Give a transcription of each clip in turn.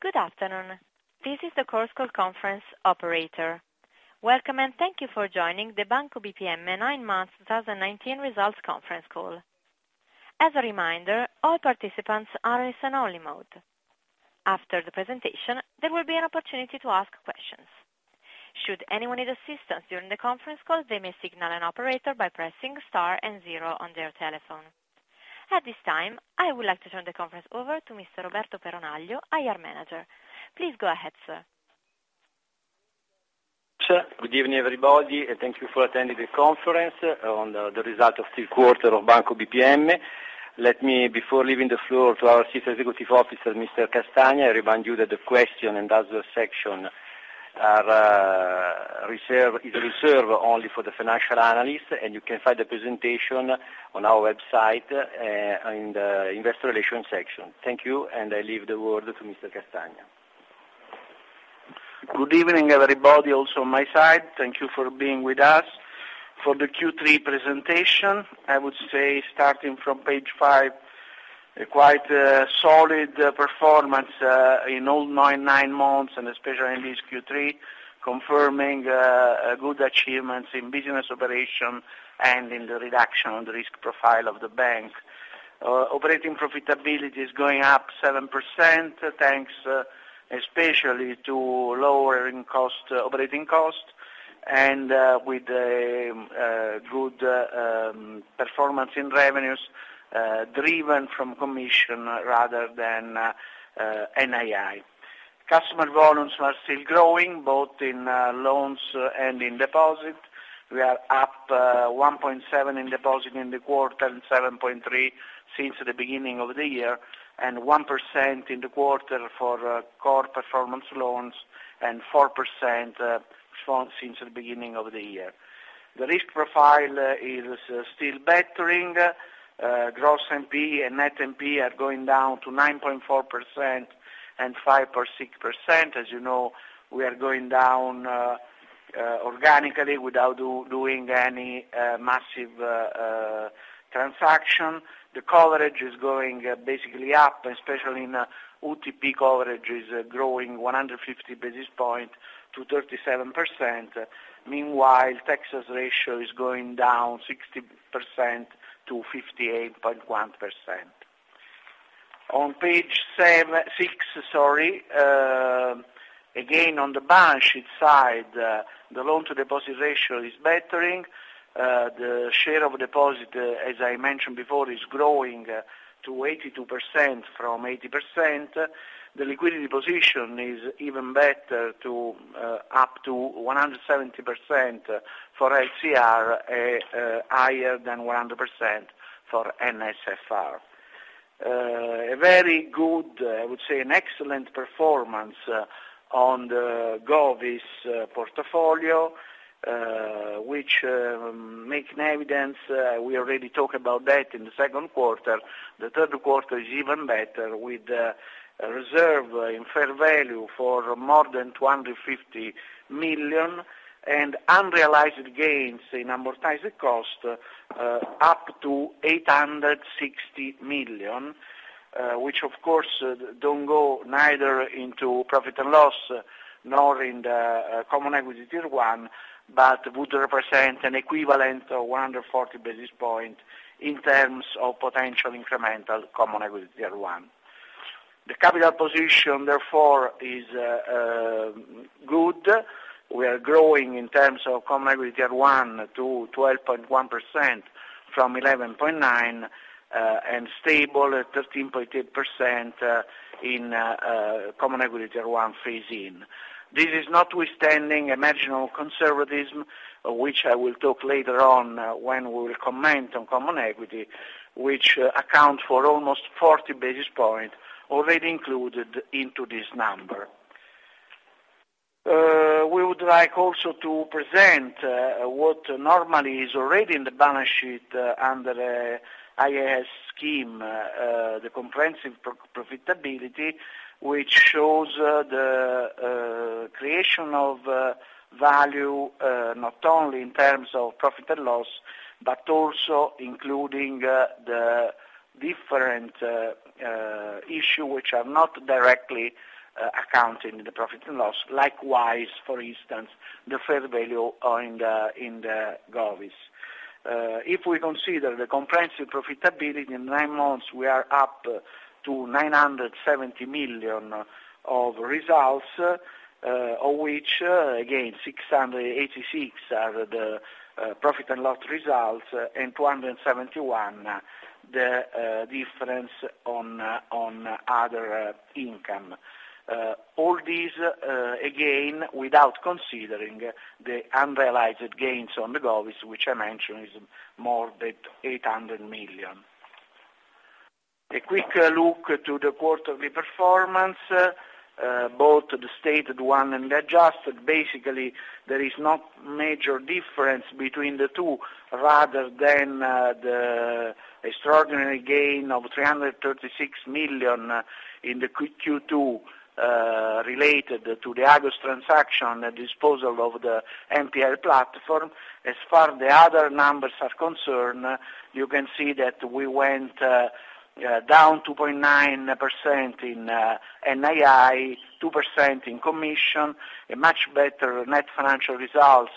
Good afternoon. This is the Chorus Call conference operator. Welcome, and thank you for joining the Banco BPM nine months 2019 results conference call. As a reminder, all participants are in listen-only mode. After the presentation, there will be an opportunity to ask questions. Should anyone need assistance during the conference call, they may signal an operator by pressing star and zero on their telephone. At this time, I would like to turn the conference over to Mr Roberto Peronaglio, IR Manager. Please go ahead, sir. Good evening, everybody, and thank you for attending the conference on the result of the quarter of Banco BPM. Let me, before leaving the floor to our Chief Executive Officer, Mr. Castagna, remind you that the question and answer section is reserved only for the financial analysts. You can find the presentation on our website in the Investor Relations section. Thank you. I leave the word to Mr. Castagna. Good evening, everybody, also on my side. Thank you for being with us for the Q3 presentation. I would say, starting from page five, quite a solid performance in all nine months, and especially in this Q3, confirming good achievements in business operation and in the reduction of the risk profile of the bank. Operating profitability is going up 7%, thanks especially to lowering operating costs, and with good performance in revenues driven from commission rather than NII. Customer volumes are still growing, both in loans and in deposit. We are up 1.7% in deposit in the quarter, 7.3% since the beginning of the year, 1% in the quarter for core performance loans, 4% strong since the beginning of the year. The risk profile is still bettering. Gross NPE and net NPE are going down to 9.4% and 5.6%. As you know, we are going down organically without doing any massive transaction. The coverage is going basically up, especially in UTP coverage is growing 150 basis points to 37%. Meanwhile, Texas ratio is going down 60% to 58.1%. On page six, again, on the balance sheet side, the loan-to-deposit ratio is bettering. The share of deposit, as I mentioned before, is growing to 82% from 80%. The liquidity position is even better, up to 170% for LCR, higher than 100% for NSFR. A very good, I would say, an excellent performance on the govies portfolio, which make an evidence. We already talked about that in the second quarter. The third quarter is even better, with a reserve in fair value for more than 250 million, and unrealized gains in amortized cost up to 860 million, which of course, don't go neither into profit and loss nor in the Common Equity Tier 1, but would represent an equivalent of 140 basis points in terms of potential incremental Common Equity Tier 1. The capital position, therefore, is good. We are growing in terms of Common Equity Tier 1 to 12.1% from 11.9%, and stable at 13.8% in Common Equity Tier 1 phase in. This is notwithstanding marginal conservatism, which I will talk later on when we will comment on Common Equity, which accounts for almost 40 basis points already included into this number. We would like also to present what normally is already in the balance sheet under IAS scheme, the comprehensive profitability, which shows the creation of value not only in terms of profit and loss, but also including the different issue which are not directly accounted in the profit and loss. Likewise, for instance, the fair value in the govies. If we consider the comprehensive profitability, in nine months, we are up to 790 million of results, of which again, 686 are the profit and loss results, and 271 the difference on other income. All this, again, without considering the unrealized gains on the govies, which I mentioned, is more than 800 million. A quick look to the quarterly performance, both the stated one and adjusted. Basically, there is no major difference between the two, rather than the extraordinary gain of 336 million in the Q2 related to the Agos transaction, the disposal of the NPL platform. As far the other numbers are concerned, you can see that we went down 2.9% in NII, 2% in commission, a much better net financial results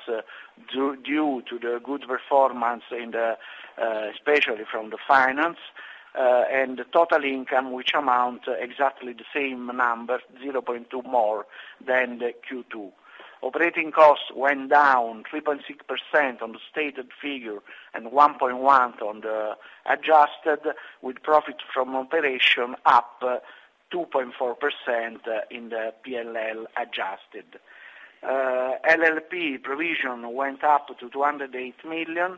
due to the good performance especially from the finance. The total income, which amount exactly the same number, 0.2 more than the Q2. Operating costs went down 3.6% on the stated figure and 1.1% on the adjusted, with profit from operation up 2.4% in the P&L adjusted. LLP provision went up to 208 million,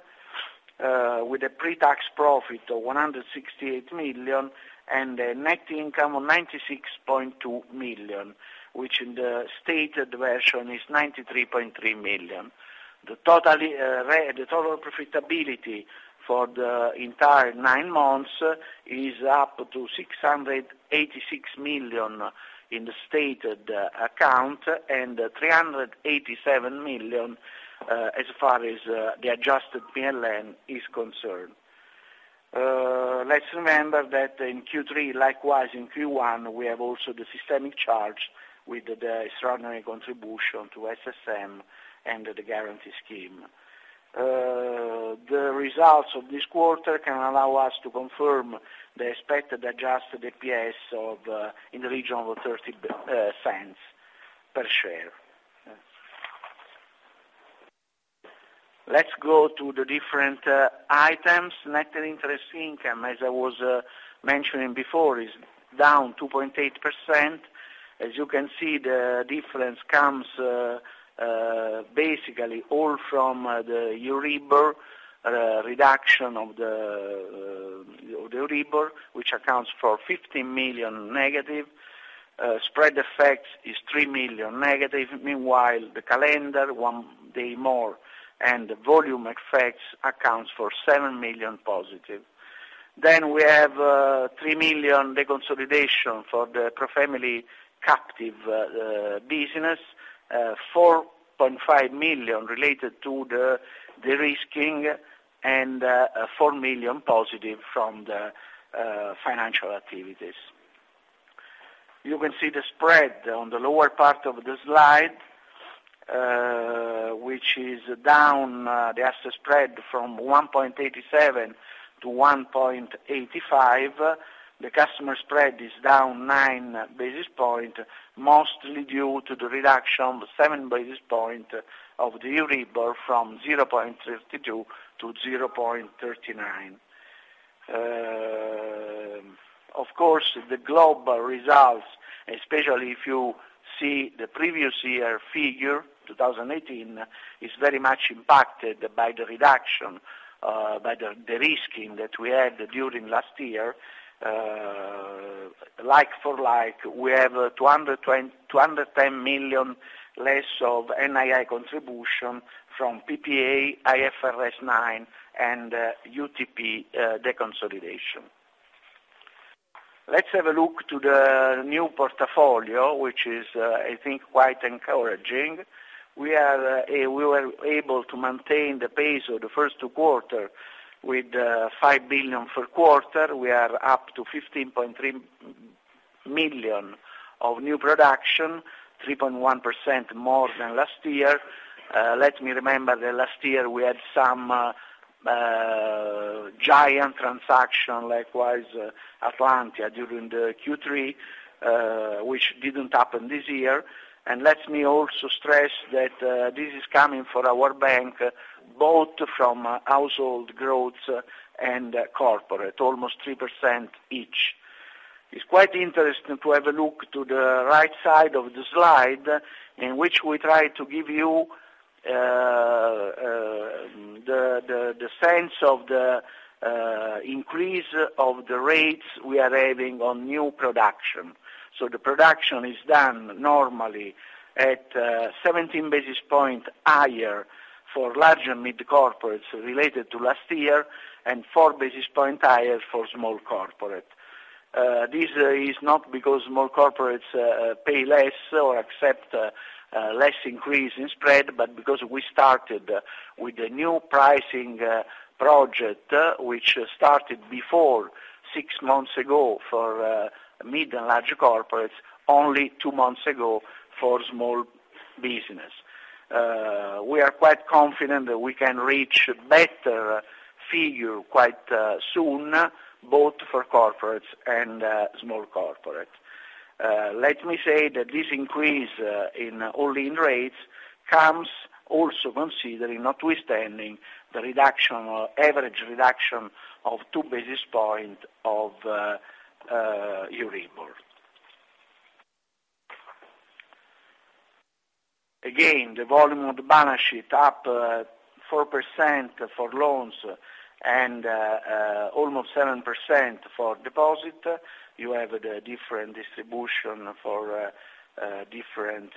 with a pre-tax profit of 168 million, and a net income of 96.2 million, which in the stated version is 93.3 million. The total profitability for the entire nine months is up to 686 million in the stated account, and 387 million as far as the adjusted P&L is concerned. Let's remember that in Q3, likewise in Q1, we have also the systemic charge with the extraordinary contribution to SSM and the guarantee scheme. The results of this quarter can allow us to confirm the expected adjusted EPS in the region of 0.30 per share. Let's go to the different items. Net interest income, as I was mentioning before, is down 2.8%. As you can see, the difference comes basically all from the Euribor, reduction of the Euribor, which accounts for 50 million negative. Spread effect is 3 million negative. Meanwhile, the calendar, one day more, and the volume effects accounts for 7 million positive. We have 3 million deconsolidation for the ProFamily captive business, 4.5 million related to the de-risking, and 4 million positive from the financial activities. You can see the spread on the lower part of the slide, which is down, the asset spread from 1.87 to 1.85. The customer spread is down nine basis point, mostly due to the reduction of seven basis point of the Euribor from 0.32 to 0.39. Of course, the global results, especially if you see the previous year figure, 2018, is very much impacted by the reduction, by the de-risking that we had during last year. Like for like, we have 210 million less of NII contribution from PPA, IFRS 9, and UTP deconsolidation. Let's have a look to the new portfolio, which is, I think, quite encouraging. We were able to maintain the pace of the first two quarter with 5 billion per quarter. We are up to 15.3 million of new production, 3.1% more than last year. Let me remember that last year we had some giant transaction, likewise Atlantia during the Q3, which didn't happen this year. Let me also stress that this is coming for our bank, both from household growth and corporate, almost 3% each. It's quite interesting to have a look to the right side of the slide, in which we try to give you the sense of the increase of the rates we are having on new production. The production is done normally at 17 basis points higher for large and mid corporates related to last year, and four basis points higher for small corporate. This is not because small corporates pay less or accept less increase in spread, because we started with a new pricing project, which started before six months ago for mid and large corporates, only two months ago for small business. We are quite confident that we can reach better figure quite soon, both for corporates and small corporate. Let me say that this increase in all-in rates comes also considering, notwithstanding the average reduction of two basis point of Euribor. The volume of the balance sheet up 4% for loans and almost 7% for deposit. You have the different distribution for different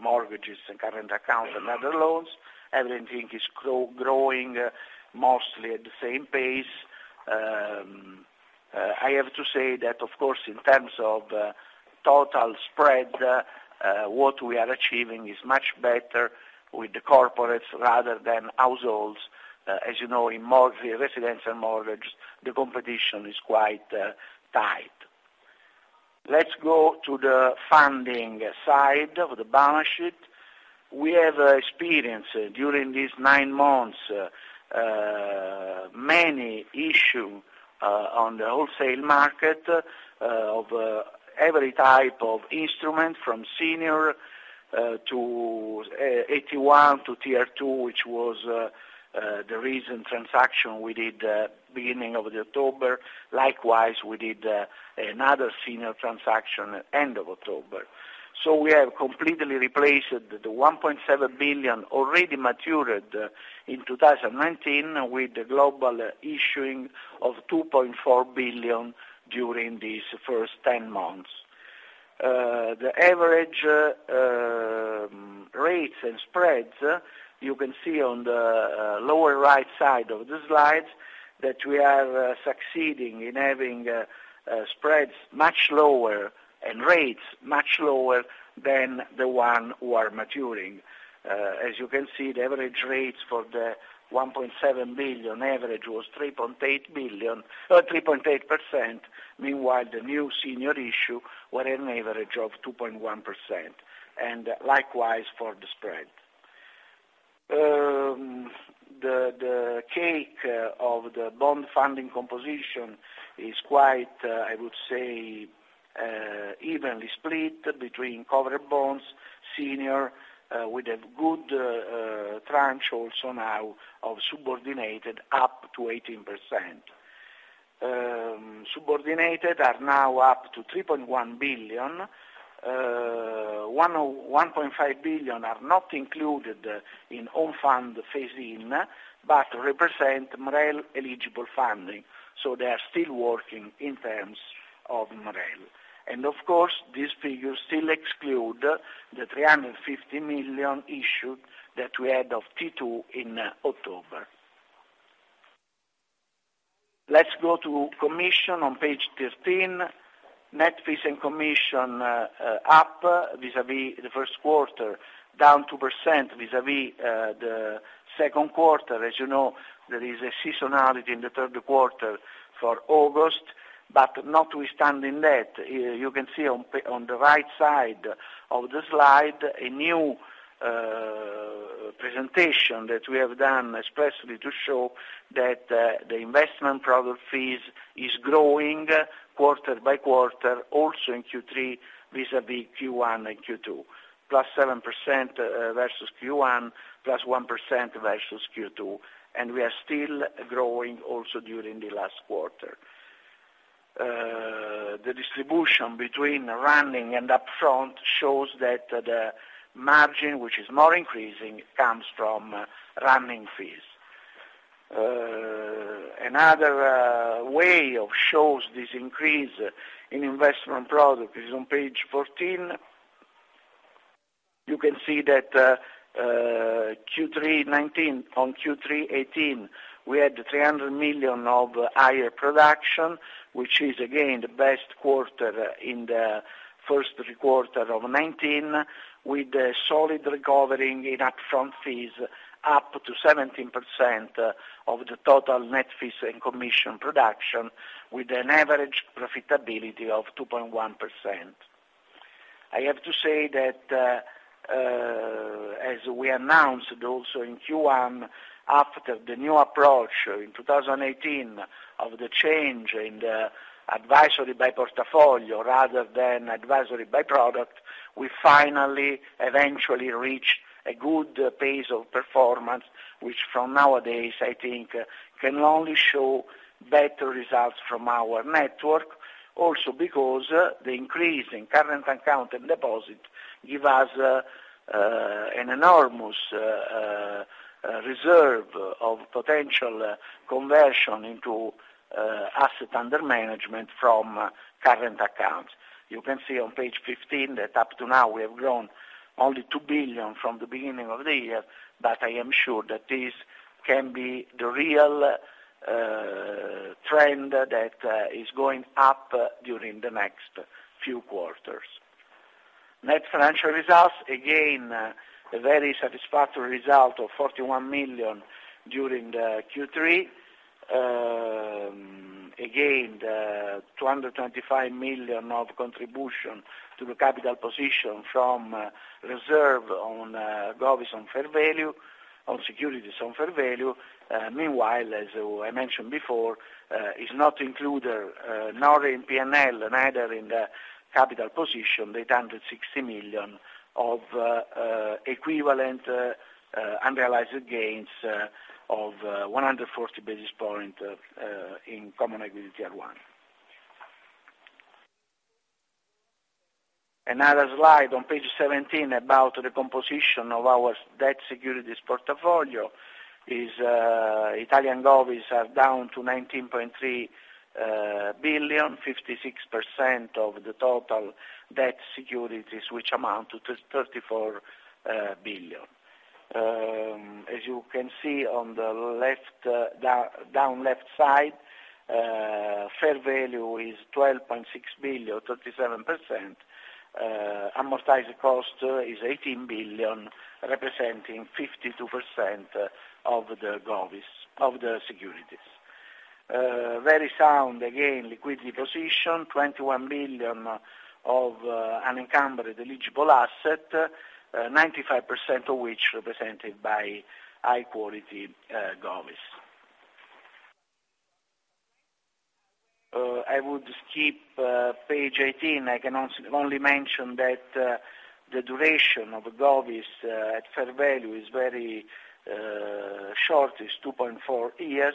mortgages and current accounts and other loans. Everything is growing mostly at the same pace. I have to say that, of course, in terms of total spread, what we are achieving is much better with the corporates rather than households. As you know, in residential mortgage, the competition is quite tight. Let's go to the funding side of the balance sheet. We have experienced, during these nine months, many issue on the wholesale market of every type of instrument from senior to AT1 to Tier 2, which was the recent transaction we did beginning of October. We did another senior transaction end of October. We have completely replaced the 1.7 billion already matured in 2019 with the global issuing of 2.4 billion during these first 10 months. The average rates and spreads, you can see on the lower right side of the slides, that we are succeeding in having spreads much lower and rates much lower than the one who are maturing. As you can see, the average rates for the 1.7 billion average was 3.8%. Meanwhile, the new senior issue were an average of 2.1%, and likewise for the spread. The cake of the bond funding composition is quite, I would say, evenly split between covered bonds, senior, with a good tranche also now of subordinated up to 18%. Subordinated are now up to 3.1 billion. 1.5 billion are not included in own fund phase-in, but represent MREL eligible funding, so they are still working in terms of MREL. Of course, these figures still exclude the 350 million issued that we had of T2 in October. Let's go to commission on page 13. Net fees and commission up vis-à-vis the first quarter, down 2% vis-à-vis the second quarter. As you know, there is a seasonality in the third quarter for August. Notwithstanding that, you can see on the right side of the slide, a new presentation that we have done especially to show that the investment product fees is growing quarter-by-quarter, also in Q3 vis-à-vis Q1 and Q2. +7% versus Q1, +1% versus Q2, we are still growing also during the last quarter. The distribution between running and upfront shows that the margin, which is more increasing, comes from running fees. Another way of shows this increase in investment product is on page 14. You can see that Q3 2019 on Q3 2018, we had 300 million of higher production, which is again the best quarter in the first quarter of 2019, with a solid recovering in upfront fees up to 17% of the total net fees and commission production, with an average profitability of 2.1%. I have to say that, as we announced also in Q1, after the new approach in 2018 of the change in the advisory by portfolio rather than advisory by product, we finally eventually reach a good pace of performance, which from nowadays, I think, can only show better results from our network. Because the increase in current account and deposit give us an enormous reserve of potential conversion into asset under management from current accounts. You can see on page 15 that up to now, we have grown only two billion from the beginning of the year, I am sure that this can be the real trend that is going up during the next few quarters. Net financial results, again, a very satisfactory result of 41 million during the Q3. Again, the 225 million of contribution to the capital position from reserve on govies on fair value, on securities on fair value. Meanwhile, as I mentioned before, is not included nor in P&L, neither in the capital position, the 860 million of equivalent unrealized gains of 140 basis points in CET1. Another slide on page 17 about the composition of our debt securities portfolio is Italian govies are down to 19.3 billion, 56% of the total debt securities, which amount to 34 billion. As you can see on the down left side, fair value is 12.6 billion, 37%. Amortized cost is 18 billion, representing 52% of the securities. Very sound, again, liquidity position, 21 billion of unencumbered eligible assets, 95% of which represented by high quality govies. I would skip page 18. I can only mention that the duration of govies at fair value is very short, is 2.4 years.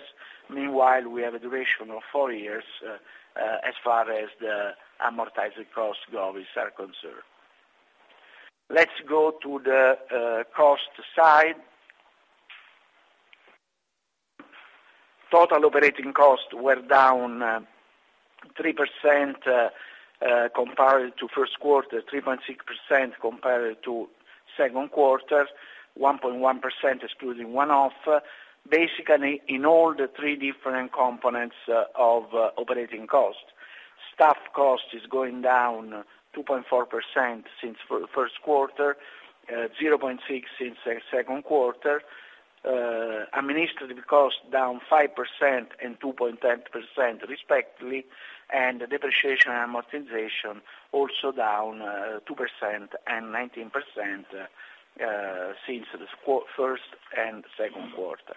Meanwhile, we have a duration of four years as far as the amortized cost govies are concerned. Let's go to the cost side. Total operating costs were down 3% compared to first quarter, 3.6% compared to second quarter, 1.1% excluding one-off, basically in all the three different components of operating costs. Staff cost is going down 2.4% since first quarter, 0.6% since second quarter. Administrative cost down 5% and 2.10% respectively, and depreciation and amortization also down 2% and 19% since the first and second quarter.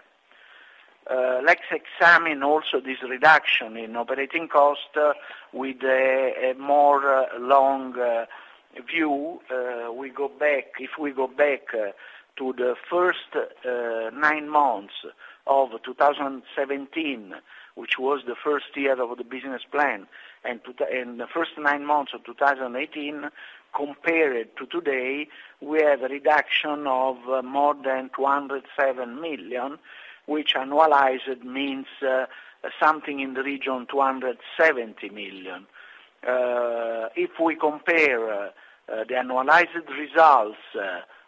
Let's examine also this reduction in operating cost with a more long view. If we go back to the first nine months of 2017, which was the first year of the business plan, and the first nine months of 2018, compared to today, we have a reduction of more than 207 million, which annualized means something in the region 270 million. If we compare the annualized results,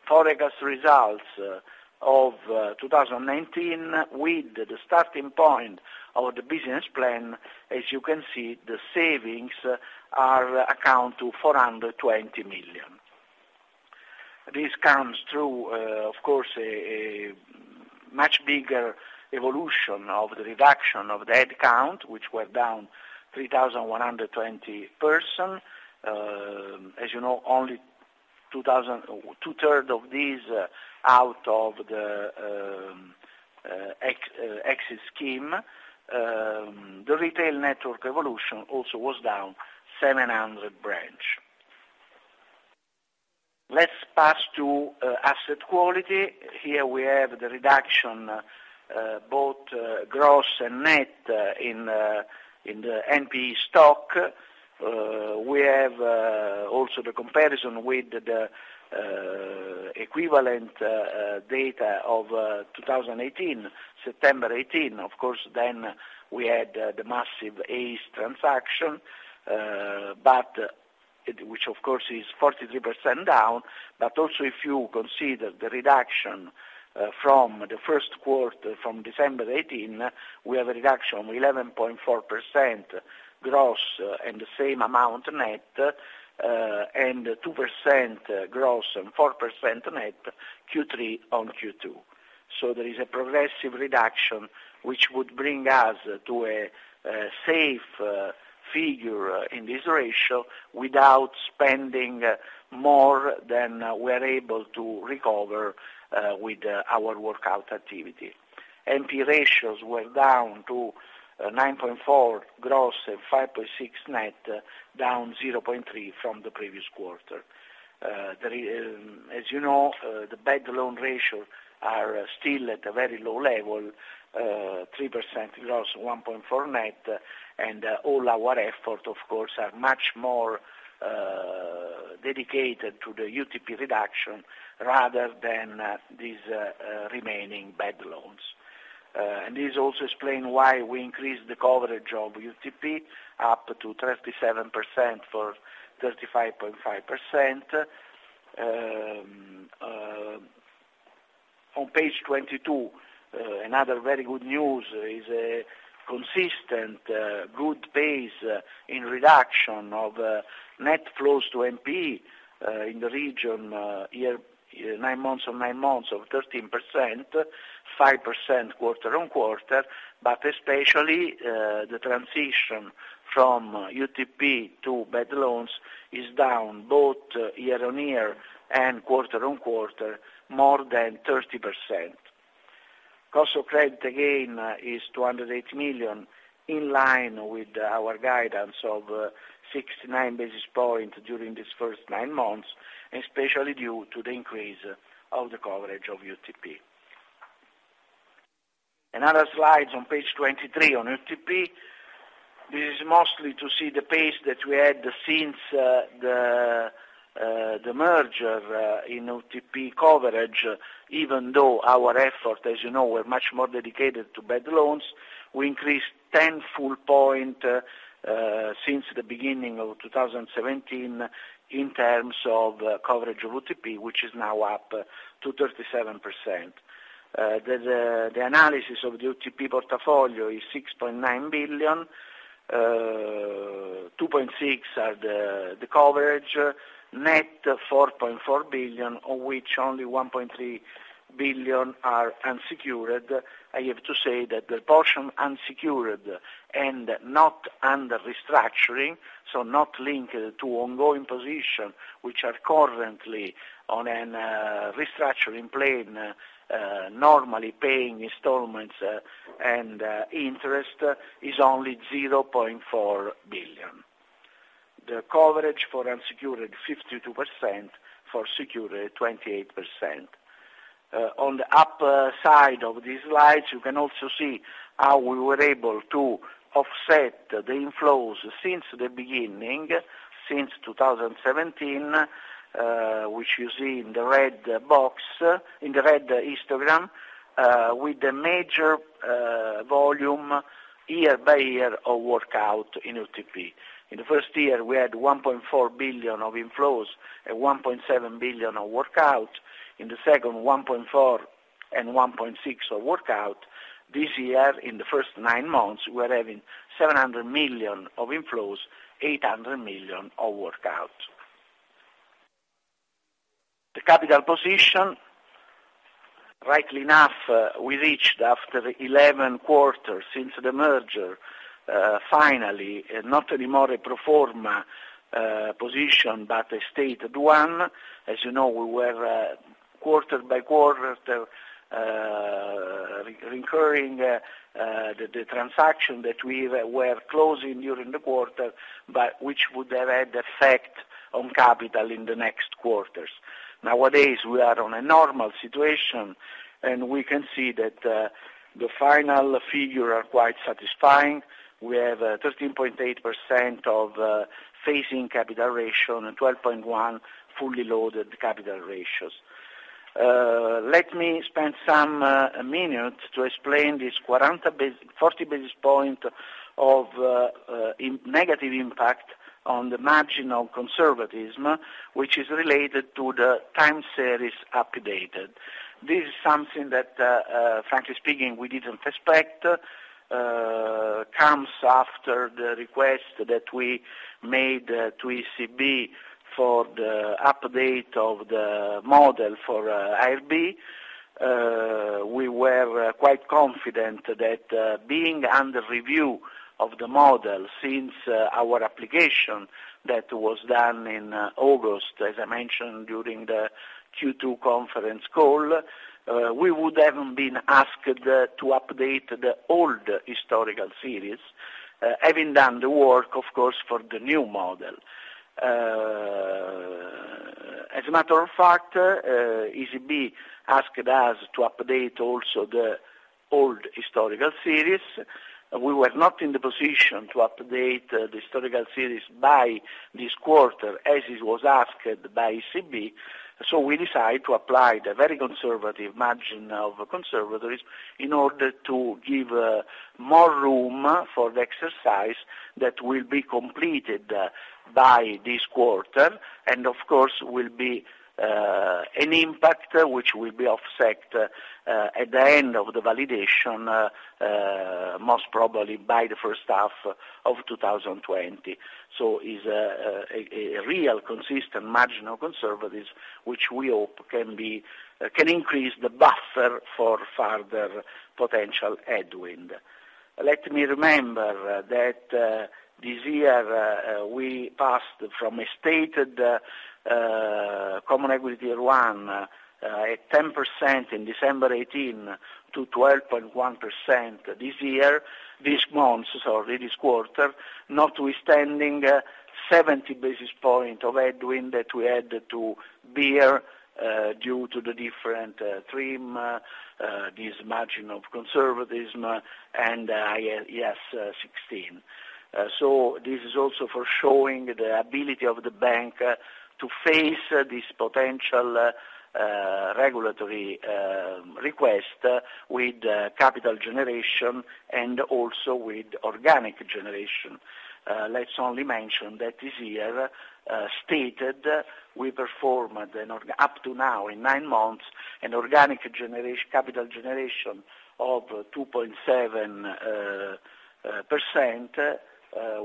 forecast results of 2019 with the starting point of the business plan, as you can see, the savings amount to 420 million. This comes through, of course, a much bigger evolution of the reduction of the head count, which were down 3,120 person. As you know, only two third of these out of the exit scheme. The retail network evolution also was down 700 branch. Let's pass to asset quality. Here we have the reduction, both gross and net in the NPE stock. We have also the comparison with the equivalent data of 2018, September 2018. Of course, we had the massive GACS transaction, which, of course, is 43% down. Also, if you consider the reduction from the 1st quarter from December 2018, we have a reduction of 11.4% gross and the same amount net, and 2% gross and 4% net Q3 on Q2. There is a progressive reduction, which would bring us to a safe figure in this ratio without spending more than we are able to recover with our workout activity. NPE ratios were down to 9.4 gross and 5.6 net, down 0.3 from the previous quarter. As you know, the bad loan ratio are still at a very low level, 3% loss, 1.4 net, and all our effort, of course, are much more dedicated to the UTP reduction rather than these remaining bad loans. This also explain why we increased the coverage of UTP up to 37% for 35.5%. On page 22, another very good news is a consistent good pace in reduction of net flows to NPE in the region nine months of 13%, 5% quarter-on-quarter, but especially, the transition from UTP to bad loans is down both year-on-year and quarter-on-quarter more than 30%. Cost of credit, again, is 208 million, in line with our guidance of 69 basis points during this first nine months, especially due to the increase of the coverage of UTP. Another slide on page 23 on UTP. This is mostly to see the pace that we had since the merger in UTP coverage, even though our effort, as you know, were much more dedicated to bad loans. We increased 10 full point since the beginning of 2017 in terms of coverage of UTP, which is now up to 37%. The analysis of the UTP portafoglio is 6.9 billion. 2.6 billion are the coverage, net 4.4 billion, of which only 1.3 billion are unsecured. I have to say that the portion unsecured and not under restructuring, so not linked to ongoing position, which are currently on a restructuring plan, normally paying installments and interest, is only 0.4 billion. The coverage for unsecured, 52%, for secured, 28%. On the upper side of these slides, you can also see how we were able to offset the inflows since the beginning, since 2017, which you see in the red histogram, with the major volume year by year of workout in UTP. In the first year, we had 1.4 billion of inflows and 1.7 billion of workout. In the second, 1.4 and 1.6 of workout. This year, in the first nine months, we are having 700 million of inflows, 800 million of workout. The capital position, rightly enough, we reached after 11 quarters since the merger, finally, not anymore a pro forma position, but a stated one. As you know, we were quarter-by-quarter, recurring the transaction that we were closing during the quarter, but which would have had effect on capital in the next quarters. Nowadays, we are on a normal situation, we can see that the final figure are quite satisfying. We have 13.8% of phasing capital ratio and 12.1% fully loaded capital ratios. Let me spend some minutes to explain this 40 basis point of negative impact on the margin of conservatism, which is related to the time series updated. This is something that, frankly speaking, we didn't expect. Comes after the request that we made to ECB for the update of the model for IRB. We were quite confident that being under review of the model since our application that was done in August, as I mentioned during the Q2 conference call, we would haven't been asked to update the old historical series, having done the work, of course, for the new model. As a matter of fact, ECB asked us to update also the old historical series. We were not in the position to update the historical series by this quarter as it was asked by ECB, we decide to apply the very conservative margin of conservatism in order to give more room for the exercise that will be completed by this quarter, and of course, will be an impact which will be offset at the end of the validation, most probably by the first half of 2020. It is a real consistent marginal conservatism, which we hope can increase the buffer for further potential headwind. Let me remember that this year, we passed from a stated CET1 at 10% in December 2018 to 12.1% this quarter, notwithstanding 70 basis point of headwind that we had to bear due to the different stress, this margin of conservatism, and IFRS 16. This is also for showing the ability of the bank to face this potential regulatory request with capital generation and also with organic generation. Let's only mention that this year, stated, we performed up to now in nine months, an organic capital generation of 2.7%,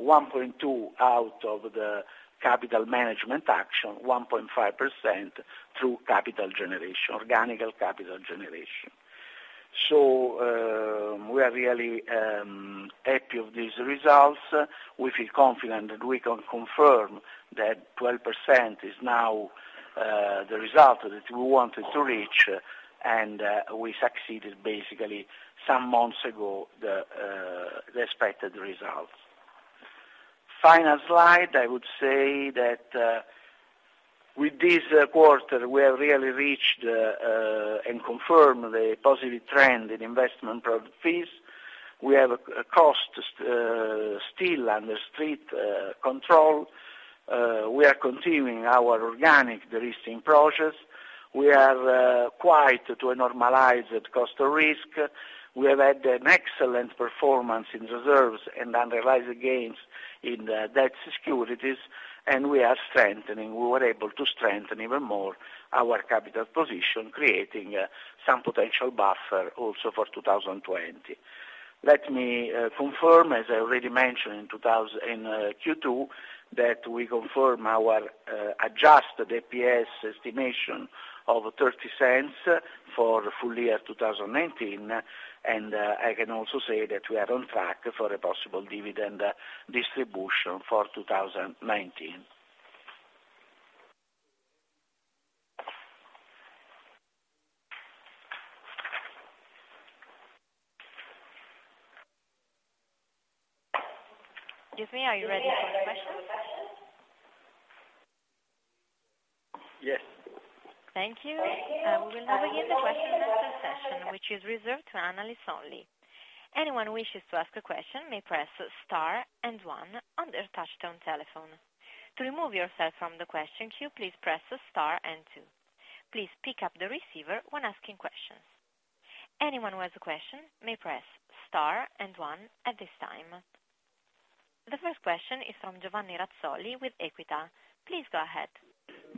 1.2 out of the capital management action, 1.5% through capital generation, organic capital generation. We are really happy of these results. We feel confident that we can confirm that 12% is now the result that we wanted to reach, and we succeeded basically some months ago, the expected results. Final slide, I would say that with this quarter, we have really reached and confirmed the positive trend in investment product fees. We have cost still under strict control. We are continuing our organic de-risking process. We are quite to a normalized cost of risk. We have had an excellent performance in reserves and unrealized gains in the debt securities, and we are strengthening. We were able to strengthen even more our capital position, creating some potential buffer also for 2020. Let me confirm, as I already mentioned in Q2, that we confirm our adjusted EPS estimation of 0.30 for full year 2019, and I can also say that we are on track for a possible dividend distribution for 2019. Excuse me, are you ready for questions? Yes. Thank you. We will now begin the question session, which is reserved to analysts only. Anyone who wishes to ask a question may press star and one on their touchtone telephone. To remove yourself from the question queue, please press star and two. Please pick up the receiver when asking questions. Anyone who has a question may press star and one at this time. The first question is from Giovanni Razzoli with Equita. Please go ahead.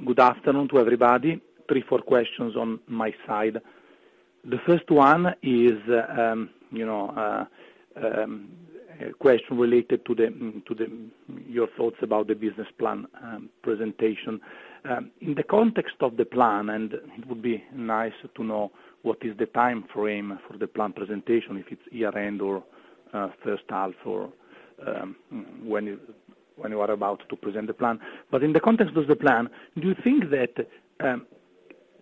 Good afternoon to everybody. Three, four questions on my side. The first one is a question related to your thoughts about the business plan presentation. In the context of the plan, it would be nice to know what is the timeframe for the plan presentation, if it's year-end or first half, or when you are about to present the plan. In the context of the plan, do you think that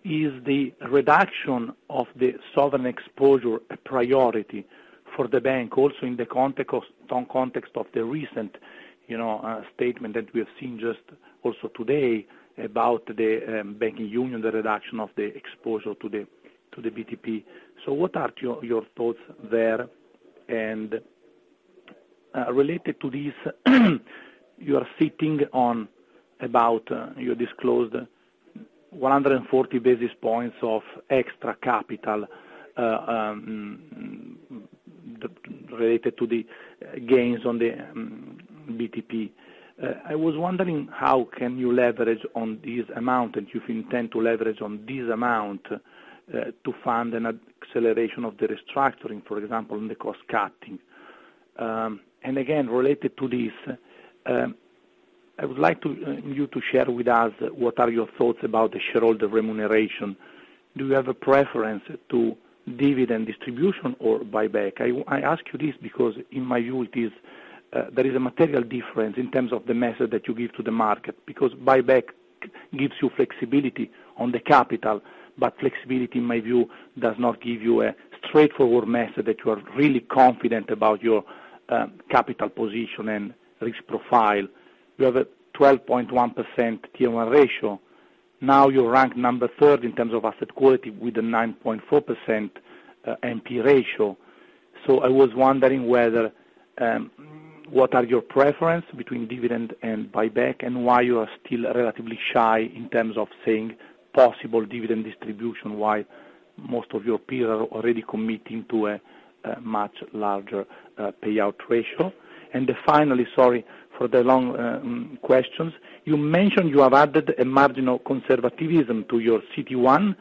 is the reduction of the sovereign exposure a priority for the bank, also in the context of the recent statement that we have seen just also today about the banking union, the reduction of the exposure to the BTP. What are your thoughts there? Related to this, you are sitting on about, you disclosed 140 basis points of extra capital related to the gains on the BTP. I was wondering how can you leverage on this amount, and if you intend to leverage on this amount, to fund an acceleration of the restructuring, for example, in the cost cutting. Again, related to this, I would like you to share with us what are your thoughts about the shareholder remuneration. Do you have a preference to dividend distribution or buyback? I ask you this because in my view, there is a material difference in terms of the method that you give to the market, because buyback gives you flexibility on the capital, but flexibility, in my view, does not give you a straightforward method that you are really confident about your capital position and risk profile. You have a 12.1% Tier 1 ratio. Now you rank number third in terms of asset quality with a 9.4% NPE ratio. I was wondering what are your preference between dividend and buyback, and why you are still relatively shy in terms of saying possible dividend distribution, while most of your peers are already committing to a much larger payout ratio. Finally, sorry for the long questions. You mentioned you have added a marginal conservativism to your CET1,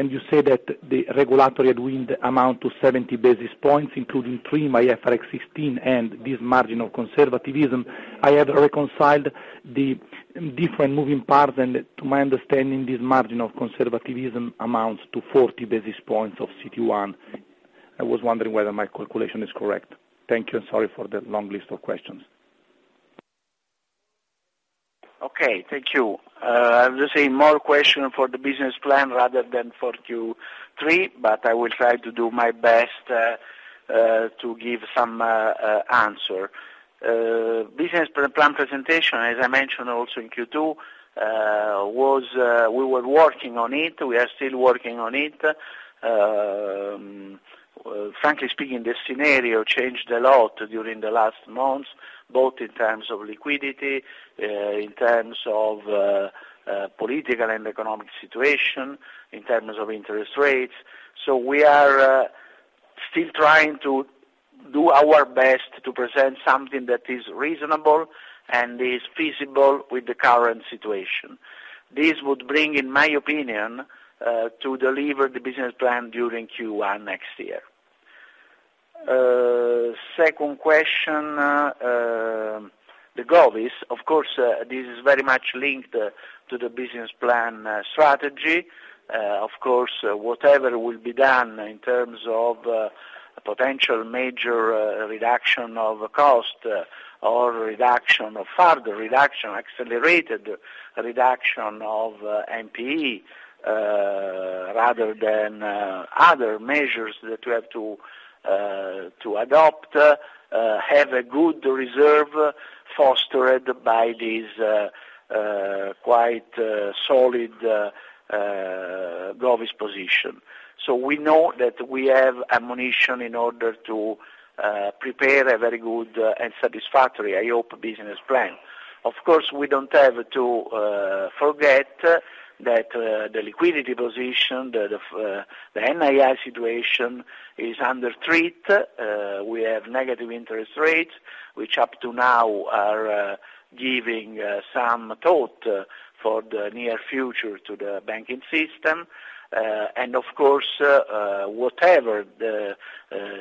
and you say that the regulatory headwind amount to 70 basis points, including the IFRS 16 and this margin of conservativism. I have reconciled the different moving parts, and to my understanding, this margin of conservativism amounts to 40 basis points of CET1. I was wondering whether my calculation is correct. Thank you, and sorry for the long list of questions. Okay. Thank you. I would say more question for the business plan rather than for Q3, but I will try to do my best to give some answer. Business plan presentation, as I mentioned also in Q2, we were working on it. We are still working on it. Frankly speaking, the scenario changed a lot during the last months, both in terms of liquidity, in terms of political and economic situation, in terms of interest rates. We are still trying to do our best to present something that is reasonable and is feasible with the current situation. This would bring, in my opinion, to deliver the business plan during Q1 next year. Second question, the govies. Of course, this is very much linked to the business plan strategy. Whatever will be done in terms of potential major reduction of cost or further reduction, accelerated reduction of NPE, rather than other measures that we have to adopt, have a good reserve fostered by this quite solid govies position. We know that we have ammunition in order to prepare a very good and satisfactory, I hope, business plan. We don't have to forget that the liquidity position, the NII situation is under threat. We have negative interest rates, which up to now are giving some thought for the near future to the banking system. Of course, whatever the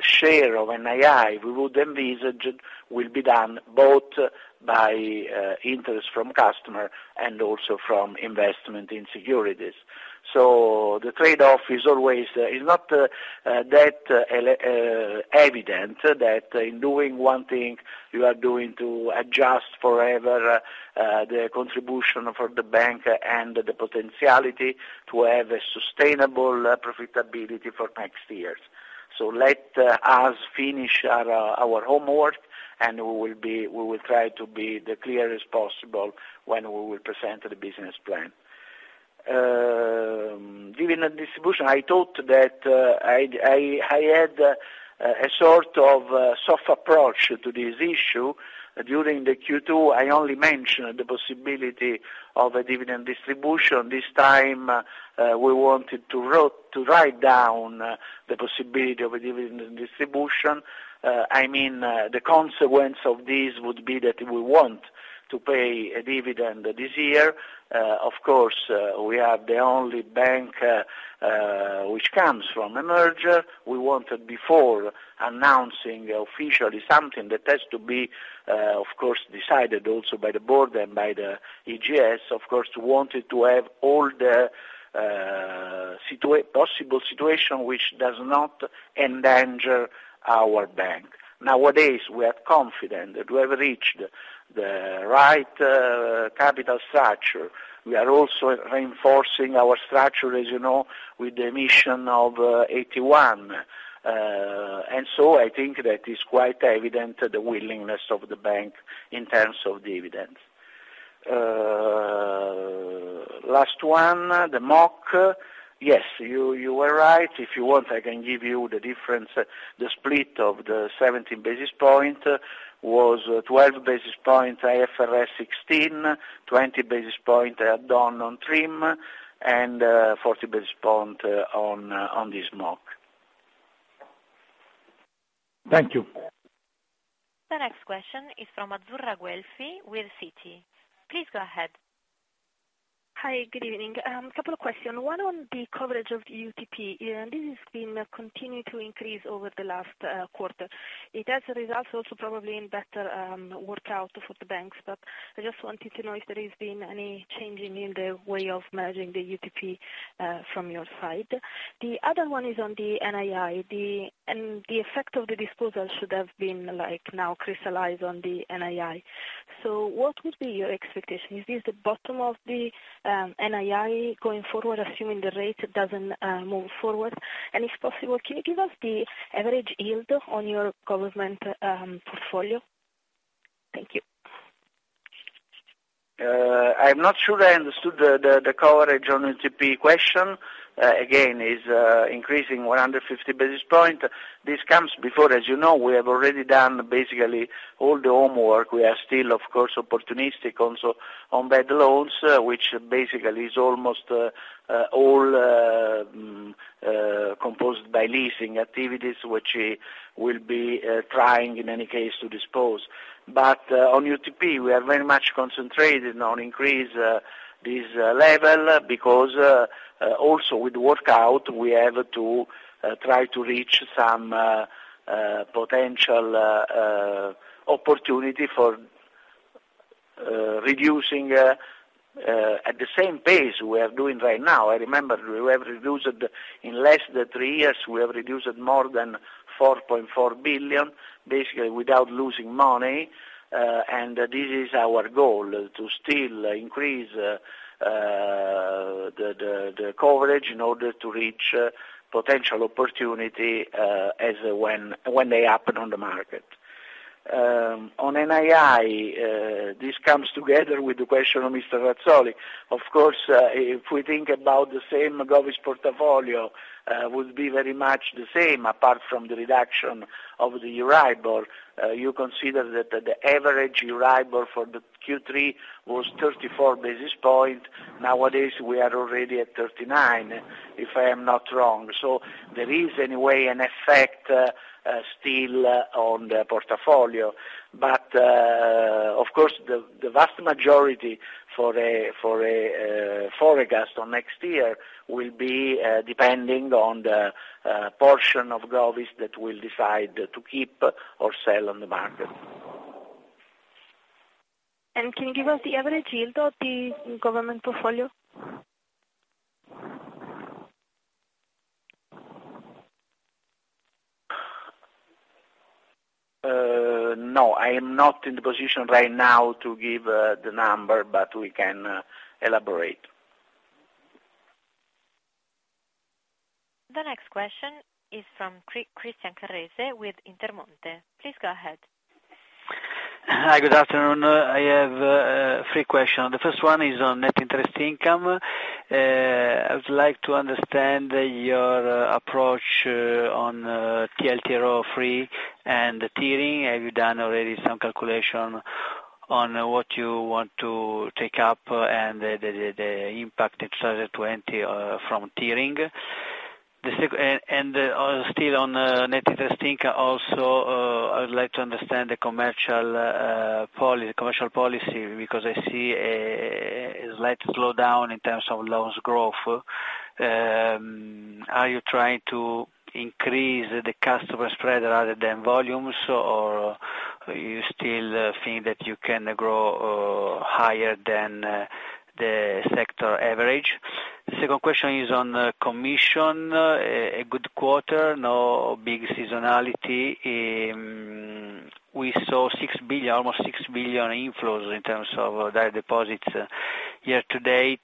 share of NII we would envisage will be done both by interest from customer and also from investment in securities. The trade-off is not that evident, that in doing one thing, you are doing to adjust forever the contribution for the bank and the potentiality to have a sustainable profitability for next years. Let us finish our homework, and we will try to be the clearest possible when we will present the business plan. Dividend distribution, I thought that I had a soft approach to this issue. During the Q2, I only mentioned the possibility of a dividend distribution. This time, we wanted to write down the possibility of a dividend distribution. I mean, the consequence of this would be that we want to pay a dividend this year. Of course, we are the only bank which comes from a merger. We wanted before announcing officially something that has to be, of course, decided also by the board and by the EGS, of course, we wanted to have all the possible situation which does not endanger our bank. Nowadays, we are confident that we have reached the right capital structure. We are also reinforcing our structure, as you know, with the emission of AT1. I think that is quite evident, the willingness of the bank in terms of dividend. Last one, the MOC. Yes, you were right. If you want, I can give you the difference. The split of the 70 basis point was 12 basis points IFRS 16, 20 basis point add-on, on TRIM, and 40 basis point on this MOC. Thank you. The next question is from Azzurra Guelfi with Citi. Please go ahead. Hi, good evening. A couple of questions. One on the coverage of UTP. This has been continuing to increase over the last quarter. It has results also probably in better workout for the banks, but I just wanted to know if there has been any changing in the way of managing the UTP from your side. The other one is on the NII, the effect of the disposal should have been now crystallized on the NII. What would be your expectation? Is this the bottom of the NII going forward, assuming the rate doesn't move forward? If possible, can you give us the average yield on your government portfolio? Thank you. I'm not sure I understood the coverage on UTP question. Is increasing 150 basis point. This comes before, as you know, we have already done basically all the homework. We are still, of course, opportunistic also on bad loans, which basically is almost all composed by leasing activities, which we will be trying, in any case, to dispose. On UTP, we are very much concentrated on increase this level because also with workout, we have to try to reach some potential opportunity for reducing at the same pace we are doing right now. I remember in less than three years, we have reduced more than 4.4 billion, basically without losing money. This is our goal, to still increase the coverage in order to reach potential opportunity when they happen on the market. On NII, this comes together with the question of Mr. Razzoli. Of course, if we think about the same govies portfolio, would be very much the same apart from the reduction of the Euribor. You consider that the average Euribor for the Q3 was 34 basis point. Nowadays, we are already at 39, if I am not wrong. There is, anyway, an effect still on the portfolio. Of course, the vast majority for a forecast on next year will be depending on the portion of govies that we'll decide to keep or sell on the market. Can you give us the average yield of the government portfolio? No, I am not in the position right now to give the number, but we can elaborate. The next question is from Christian Carrese with Intermonte. Please go ahead. Hi, good afternoon. I have three questions. The first one is on net interest income. I would like to understand your approach on TLTRO III and the tiering. Have you done already some calculation on what you want to take up and the impact in 2020 from tiering? Still on net interest income, also, I would like to understand the commercial policy, because I see a slight slowdown in terms of loans growth. Are you trying to increase the customer spread rather than volumes, or you still think that you can grow higher than the sector average? The second question is on commission. A good quarter, no big seasonality. We saw almost 6 billion inflows in terms of direct deposits year-to-date.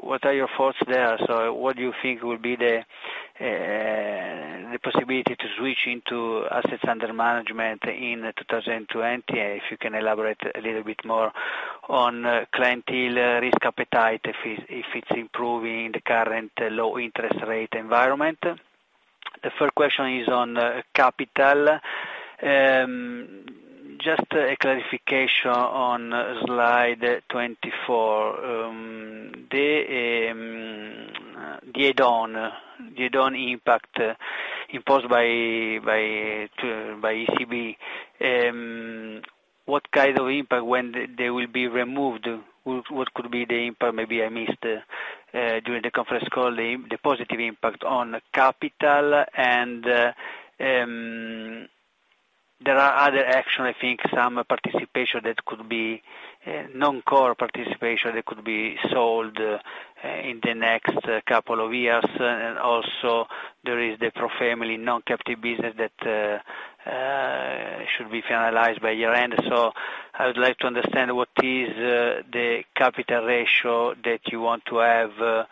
What are your thoughts there? What do you think will be the possibility to switch into assets under management in 2020, if you can elaborate a little bit more on clientele risk appetite, if it's improving the current low interest rate environment. The third question is on capital. Just a clarification on slide 24. The add-on impact imposed by ECB. What kind of impact, when they will be removed, what could be the impact? Maybe I missed, during the conference call, the positive impact on capital, and there are other actions, I think some participation that could be non-core participation that could be sold in the next couple of years. Also, there is the ProFamily non-captive business that should be finalized by year-end. I would like to understand what is the capital ratio that you want to have.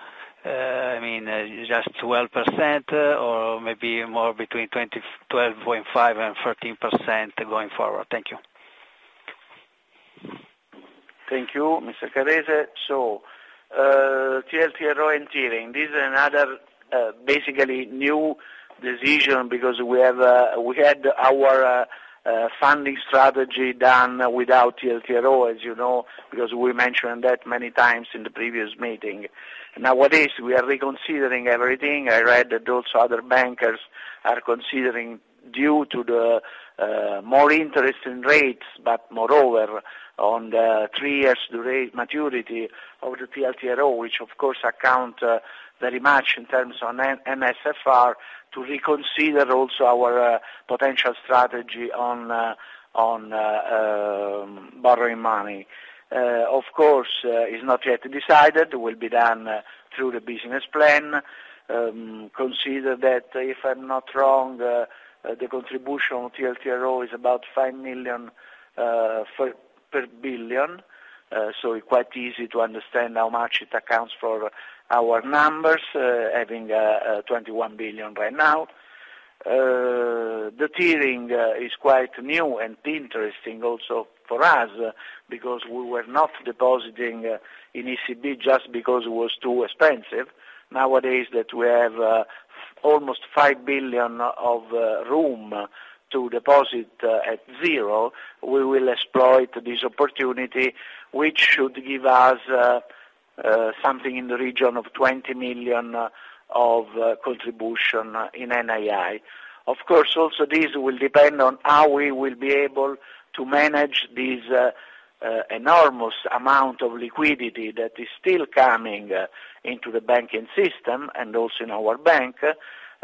Just 12%, or maybe more between 12.5% and 13% going forward. Thank you. Thank you, Mr. Carrese. TLTRO and tiering. This is another basically new decision because we had our funding strategy done without TLTRO, as you know, because we mentioned that many times in the previous meeting. Nowadays, we are reconsidering everything. I read that also other bankers are considering, due to the more interest in rates, but moreover, on the three years to rate maturity of the TLTRO, which of course account very much in terms of NSFR, to reconsider also our potential strategy on borrowing money. Of course, it's not yet decided. It will be done through the business plan. Consider that, if I'm not wrong, the contribution of TLTRO is about 5 million per 1 billion. It's quite easy to understand how much it accounts for our numbers, having 21 billion right now. The tiering is quite new and interesting also for us, because we were not depositing in ECB just because it was too expensive. Nowadays that we have almost 5 billion of room to deposit at zero, we will exploit this opportunity, which should give us something in the region of 20 million of contribution in NII. Of course, also this will depend on how we will be able to manage this enormous amount of liquidity that is still coming into the banking system, and also in our bank.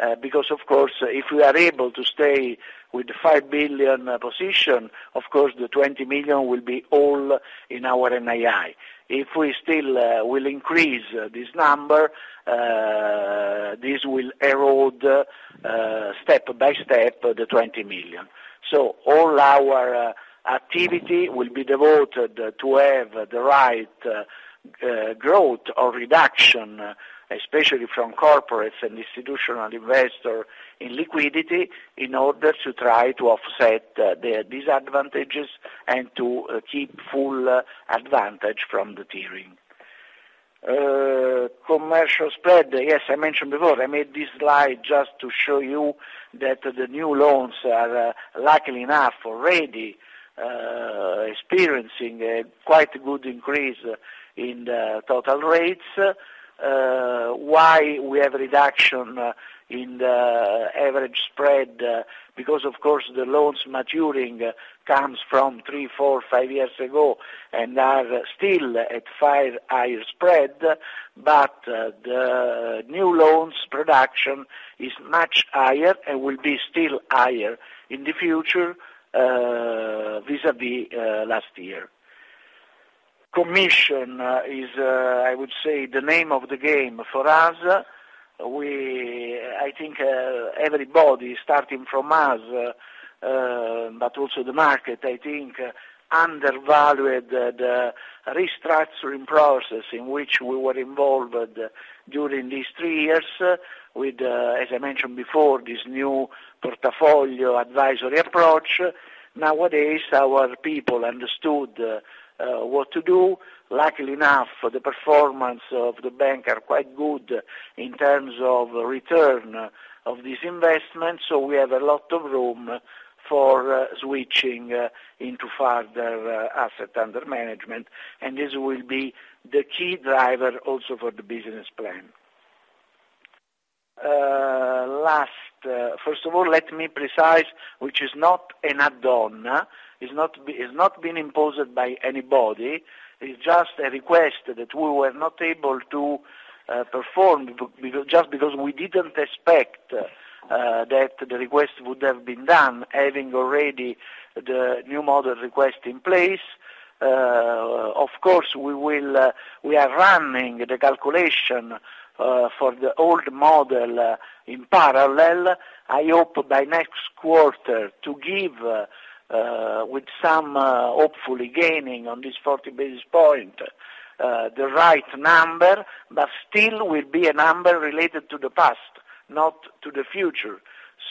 If we are able to stay with the 5 billion position, of course, the 20 million will be all in our NII. If we still will increase this number, this will erode, step-by-step, the 20 million. All our activity will be devoted to have the right growth or reduction, especially from corporates and institutional investor in liquidity, in order to try to offset the disadvantages and to keep full advantage from the tiering. Commercial spread. Yes, I mentioned before, I made this slide just to show you that the new loans are luckily enough already experiencing a quite good increase in the total rates. Why we have reduction in the average spread? Because, of course, the loans maturing comes from three, four, five years ago and are still at five higher spread, but the new loans production is much higher and will be still higher in the future vis-à-vis last year. Commission is, I would say, the name of the game for us. I think everybody, starting from us, but also the market, I think, undervalued the restructuring process in which we were involved during these three years with, as I mentioned before, this new portafoglio advisory approach. Nowadays, our people understood what to do. Luckily enough, the performance of the bank are quite good in terms of return of this investment. We have a lot of room for switching into further asset under management, and this will be the key driver also for the business plan. Last, first of all, let me precise, which is not an add-on, is not being imposed by anybody, it's just a request that we were not able to perform just because we didn't expect that the request would have been done, having already the new model request in place. Of course, we are running the calculation for the old model in parallel. I hope by next quarter to give, with some hopefully gaining on this 40 basis points, the right number, still will be a number related to the past, not to the future.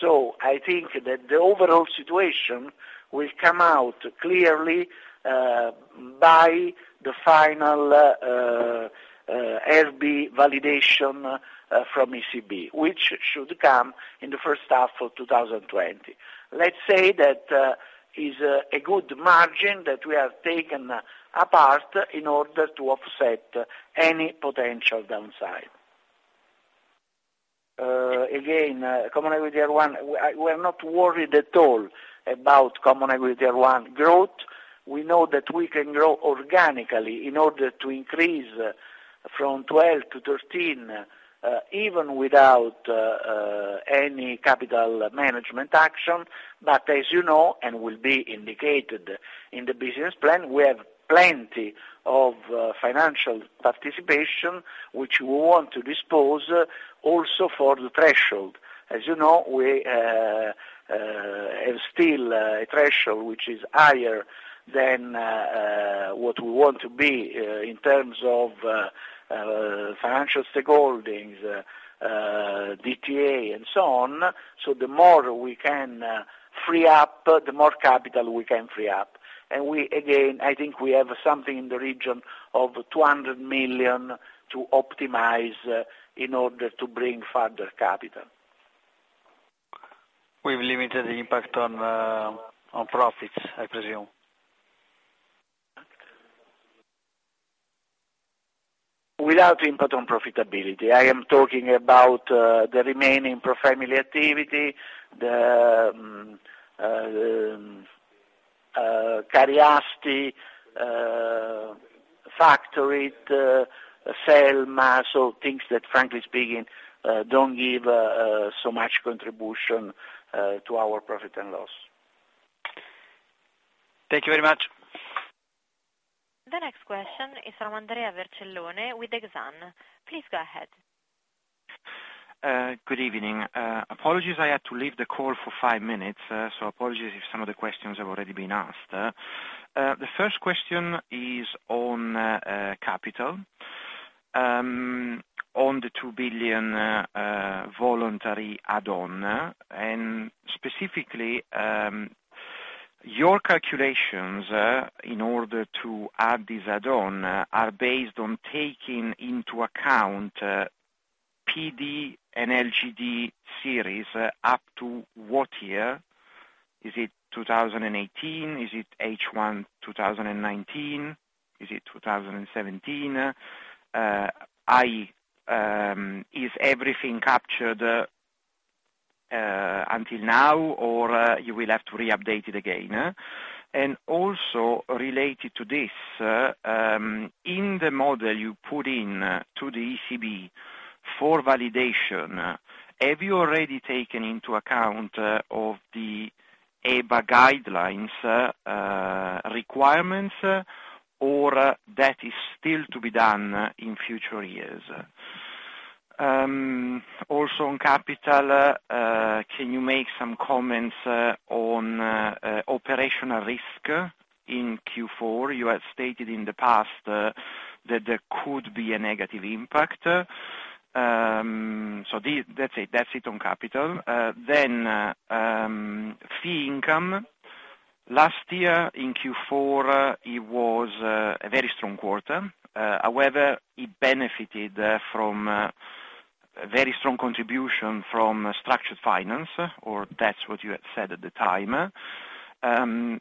I think that the overall situation will come out clearly by the final IRB validation from ECB, which should come in the first half of 2020. Let's say that is a good margin that we have taken apart in order to offset any potential downside. Again, Common Equity Tier 1, we are not worried at all about Common Equity Tier 1 growth. We know that we can grow organically in order to increase from 12 to 13, even without any capital management action. As you know, and will be indicated in the business plan, we have plenty of financial participation, which we want to dispose also for the threshold. As you know, we have still a threshold which is higher than what we want to be in terms of financial stakeholdings, DTA and so on. The more we can free up, the more capital we can free up. Again, I think we have something in the region of 200 million to optimize in order to bring further capital. With limited impact on profits, I presume. Without impact on profitability. I am talking about the remaining ProFamily activity, the Cariati factory, the SelmaBipiemme, so things that frankly speaking, don't give so much contribution to our profit and loss. Thank you very much. The next question is from Andrea Vercellone with Exane. Please go ahead. Good evening. Apologies, I had to leave the call for five minutes. Apologies if some of the questions have already been asked. The first question is on capital, on the 2 billion voluntary add-on. Specifically, your calculations, in order to add this add-on, are based on taking into account PD and LGD series up to what year? Is it 2018? Is it H1 2019? Is it 2017? Is everything captured until now? You will have to re-update it again? Also related to this, in the model you put in to the ECB for validation, have you already taken into account of the EBA guidelines requirements? That is still to be done in future years? Also on capital, can you make some comments on operational risk in Q4? You had stated in the past that there could be a negative impact. That's it on capital. Fee income. Last year in Q4, it was a very strong quarter. It benefited from a very strong contribution from structured finance, or that's what you had said at the time.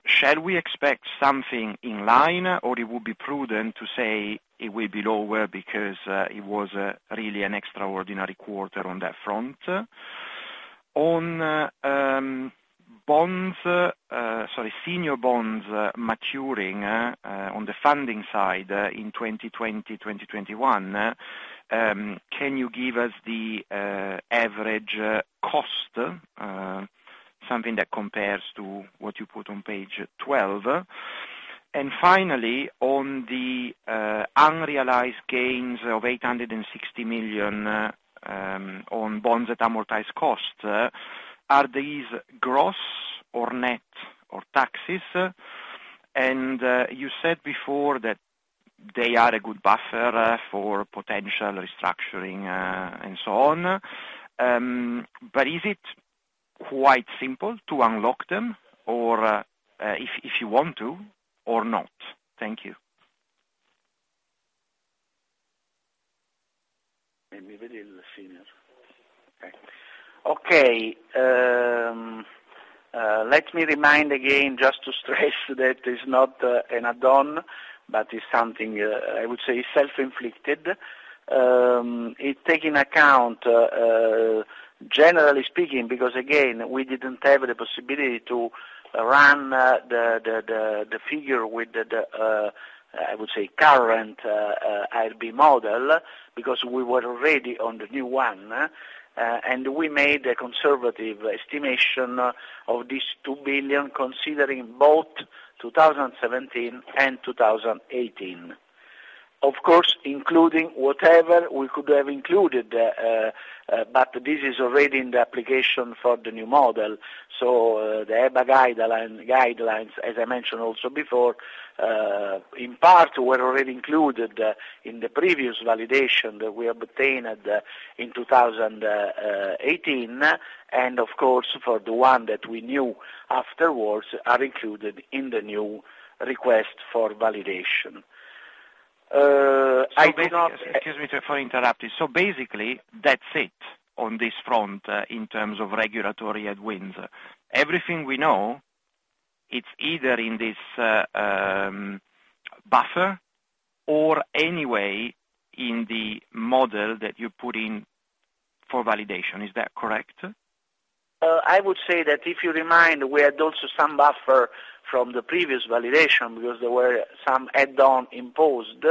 Shall we expect something in line, or it would be prudent to say it will be lower because it was really an extraordinary quarter on that front? On senior bonds maturing on the funding side in 2020, 2021, can you give us the average cost, something that compares to what you put on page 12? Finally, on the unrealized gains of 860 million on bonds at amortized cost, are these gross or net of taxes? You said before that they are a good buffer for potential restructuring and so on, but is it quite simple to unlock them if you want to, or not? Thank you. Give me the senior. Okay. Let me remind again, just to stress that it's not an add-on, but it's something, I would say, self-inflicted. It take into account, generally speaking, because again, we didn't have the possibility to run the figure with the, I would say, current IRB model, because we were already on the new one. We made a conservative estimation of this 2 billion, considering both 2017 and 2018. Of course, including whatever we could have included, but this is already in the application for the new model. The EBA guidelines, as I mentioned also before, in part were already included in the previous validation that we obtained in 2018, and of course, for the one that we knew afterwards are included in the new request for validation. I do not- Excuse me for interrupting. Basically, that's it on this front, in terms of regulatory headwinds. Everything we know, it's either in this buffer or anyway in the model that you put in for validation. Is that correct? I would say that if you remind, we had also some buffer from the previous validation because there were some add-on imposed.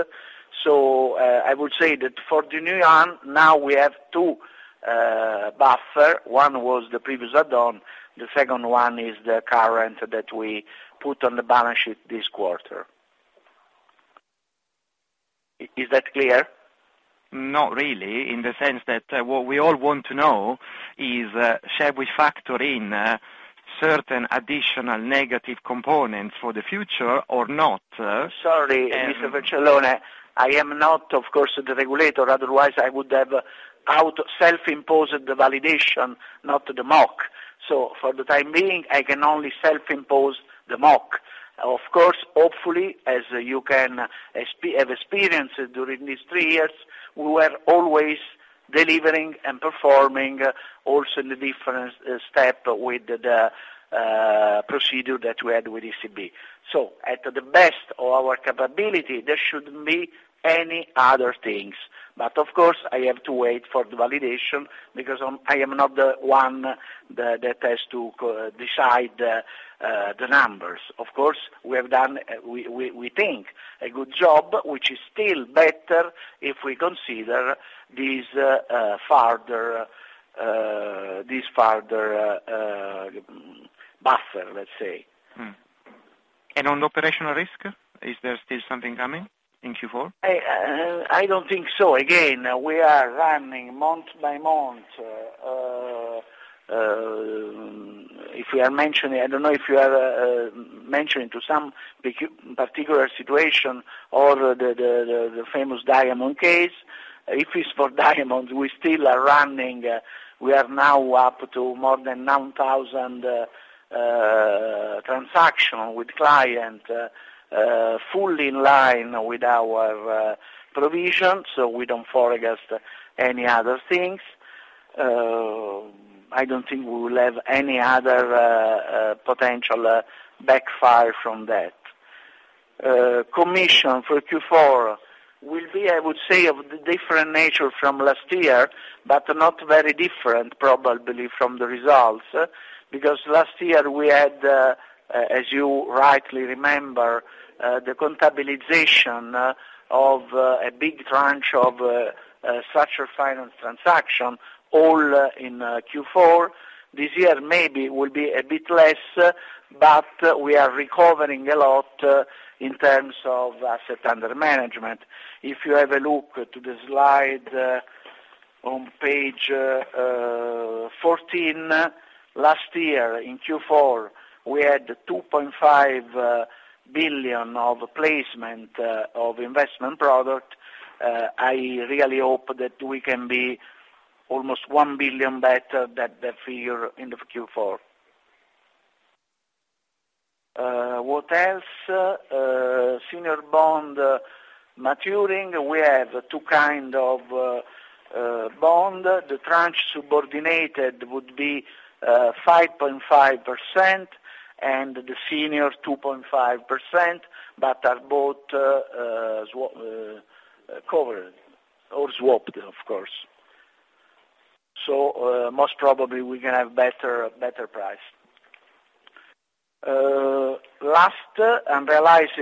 I would say that for the new one, now we have two buffer. One was the previous add-on, the second one is the current that we put on the balance sheet this quarter. Is that clear? Not really, in the sense that what we all want to know is, shall we factor in certain additional negative components for the future or not? Sorry, Mr. Vercellone. I am not, of course, the regulator, otherwise I would have out self-imposed the validation, not the MOC. For the time being, I can only self-impose the MOC. Of course, hopefully, as you can have experienced during these three years, we were always delivering and performing also in the different step with the procedure that we had with ECB. At the best of our capability, there shouldn't be any other things. Of course, I have to wait for the validation because I am not the one that has to decide the numbers. Of course, we think a good job, which is still better if we consider this further buffer, let's say. On operational risk, is there still something coming in Q4? I don't think so. We are running month-by-month. I don't know if you are mentioning to some particular situation or the famous Diamanti case. If it's for Diamanti, we still are running. We are now up to more than 1,000 transactions with clients, fully in line with our provision. We don't forecast any other things. I don't think we will have any other potential backfire from that. Commission for Q4 will be, I would say, of the different nature from last year, not very different, probably from the results. Last year we had, as you rightly remember, the contabilization of a big tranche of structured finance transaction all in Q4. This year maybe will be a bit less. We are recovering a lot in terms of assets under management. If you have a look to the slide on page 14, last year in Q4, we had 2.5 billion of placement of investment product. I really hope that we can be almost 1 billion better that figure in Q4. What else? Senior bond maturing. We have two kind of bond. The tranche subordinated would be 5.5% and the senior 2.5%, are both covered or swapped, of course. Most probably we can have better price. Last, unrealized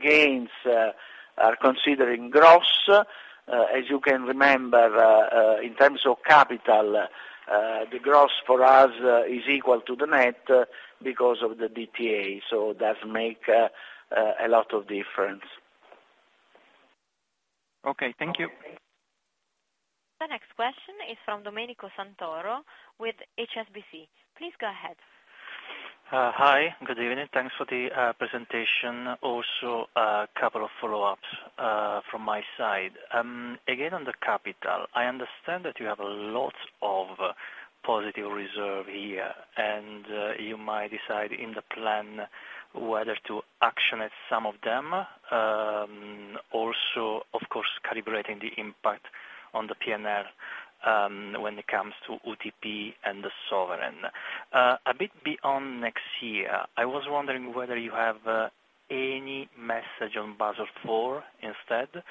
gains are considering gross. As you can remember, in terms of capital, the gross for us is equal to the net because of the DTA, that make a lot of difference. Okay. Thank you. The next question is from Domenico Santoro with HSBC. Please go ahead. Hi. Good evening. Thanks for the presentation. Two follow-ups from my side. On the capital, I understand that you have a lot of positive reserve here, and you might decide in the plan whether to action at some of them, of course, calibrating the impact. On the P&L, when it comes to UTP and the sovereign. A bit beyond next year, I was wondering whether you have any message on Basel IV instead,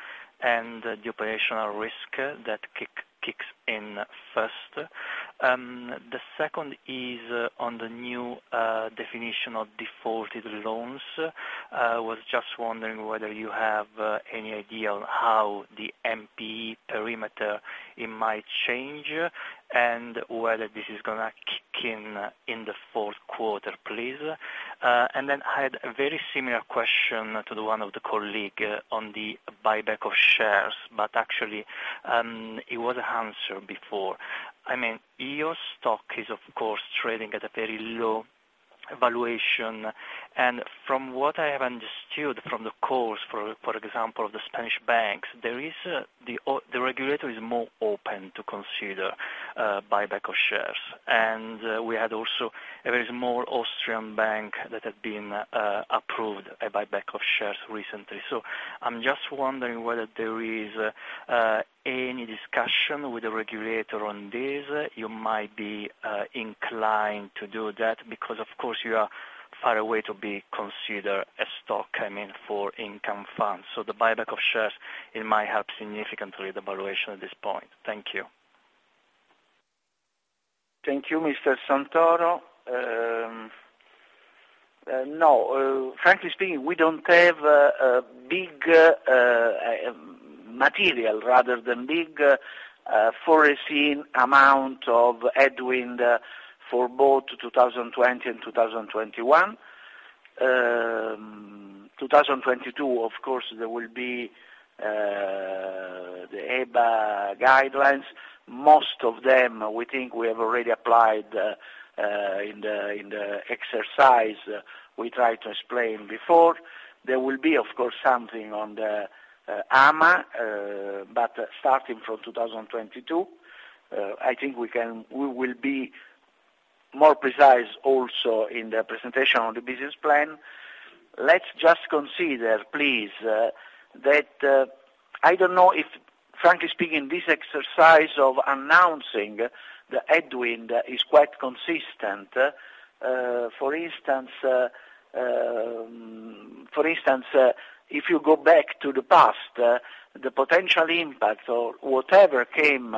and the operational risk that kicks in first. The second is on the new definition of defaulted loans. I was just wondering whether you have any idea on how the NPE perimeter, it might change, and whether this is going to kick in in the fourth quarter, please. Then I had a very similar question to one of the colleague on the buyback of shares, but actually, it was answered before. I mean your stock is, of course, trading at a very low valuation. From what I have understood from the course, for example, of the Spanish banks, the regulator is more open to consider buyback of shares. There is more Austrian bank that had been approved a buyback of shares recently. I'm just wondering whether there is any discussion with the regulator on this. You might be inclined to do that because, of course, you are far away to be considered a stock, I mean, for income funds. The buyback of shares, it might help significantly the valuation at this point. Thank you. Thank you, Mr. Santoro. Frankly speaking, we don't have big material rather than big foreseen amount of headwind for both 2020 and 2021. 2022, of course, there will be the EBA guidelines. Most of them, we think we have already applied in the exercise we tried to explain before. There will be, of course, something on the AMA, starting from 2022. I think we will be more precise also in the presentation on the business plan. Let's just consider, please, that I don't know if, frankly speaking, this exercise of announcing the headwind is quite consistent. For instance, if you go back to the past, the potential impact of whatever came,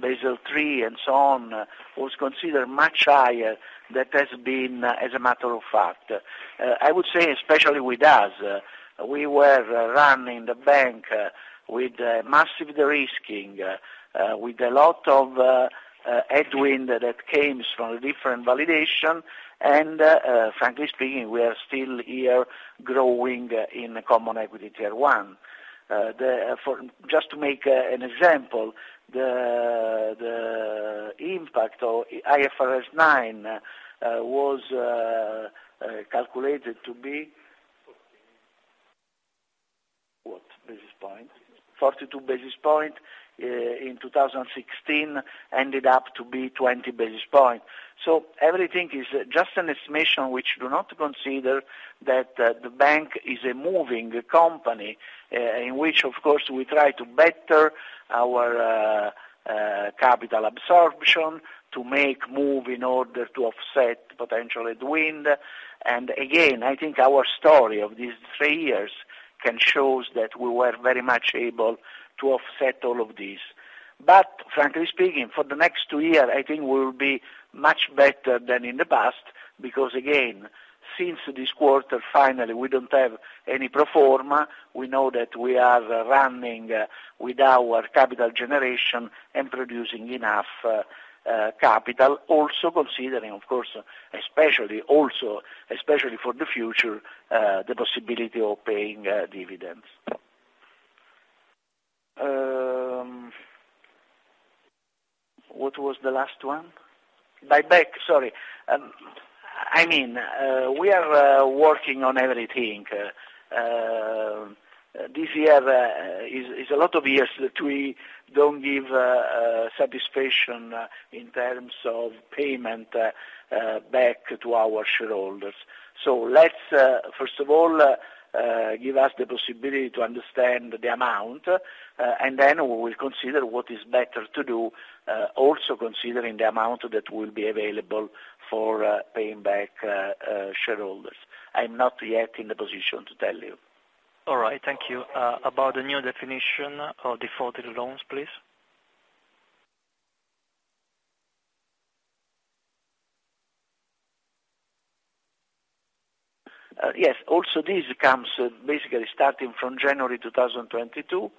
Basel III and so on, was considered much higher that has been as a matter of fact. I would say, especially with us, we were running the bank with massive de-risking, with a lot of headwind that comes from different validation. Frankly speaking, we are still here growing in common equity tier 1. Just to make an example, the impact of IFRS 9 was calculated to be what basis point? 42 basis point in 2016, ended up to be 20 basis point. Everything is just an estimation which do not consider that the bank is a moving company, in which, of course, we try to better our capital absorption to make move in order to offset potential headwind. Again, I think our story of these three years can show that we were very much able to offset all of this. Frankly speaking, for the next two year, I think we will be much better than in the past, because again, since this quarter, finally, we don't have any pro forma. We know that we are running with our capital generation and producing enough capital. Also considering, of course, especially for the future, the possibility of paying dividends. What was the last one? Buyback, sorry. We are working on everything. This year is a lot of years that we don't give satisfaction in terms of payment back to our shareholders. Let's, first of all, give us the possibility to understand the amount, and then we will consider what is better to do, also considering the amount that will be available for paying back shareholders. I'm not yet in the position to tell you. All right, thank you. About the new definition of defaulted loans, please. Yes. This comes basically starting from January 2022.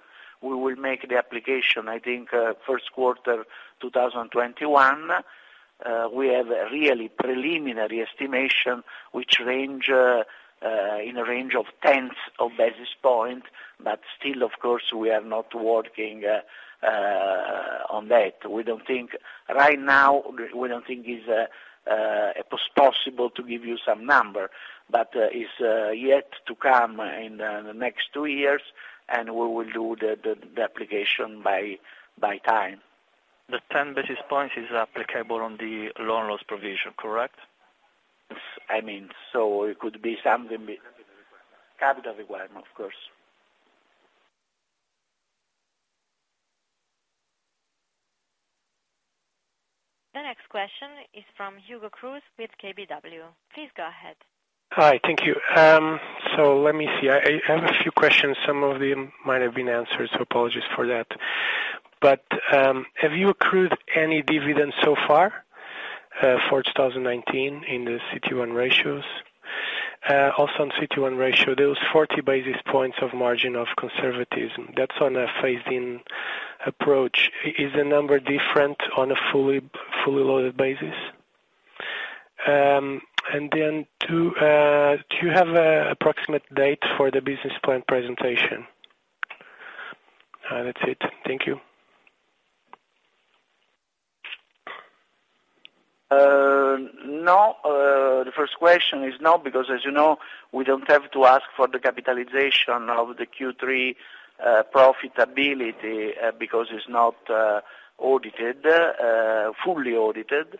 We will make the application, I think, first quarter 2021. We have a really preliminary estimation, which range in a range of tenths of basis points. Still, of course, we are not working on that. Right now, we don't think it's possible to give you some number. It's yet to come in the next two years. We will do the application by time. The 10 basis points is applicable on the loan loss provision, correct? I mean, Capital requirement, of course. The next question is from Hugo Cruz with KBW. Please go ahead. Hi. Thank you. Let me see. I have a few questions. Some of them might have been answered, so apologies for that. Have you accrued any dividends so far, for 2019 in the CET1 ratios? Also, on CET1 ratio, there was 40 basis points of margin of conservatism. That's on a phased-in approach. Is the number different on a fully loaded basis? Do you have an approximate date for the business plan presentation? That's it. Thank you. No. The first question is no, because as you know, we don't have to ask for the capitalization of the Q3 profitability, because it's not fully audited.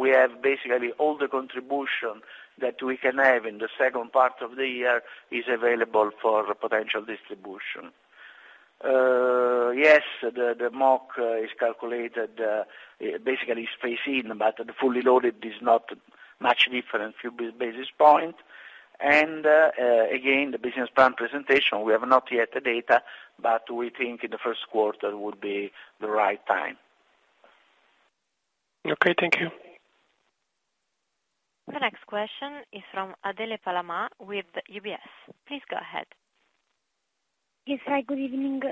We have basically all the contribution that we can have in the second part of the year is available for potential distribution. Yes, the MOC is calculated, basically it's phased in, but the fully loaded is not much different, a few basis points. Again, the business plan presentation, we have not yet the data, but we think in the first quarter would be the right time. Okay, thank you. The next question is from Adele Palamà with UBS. Please go ahead. Yes, hi, good evening.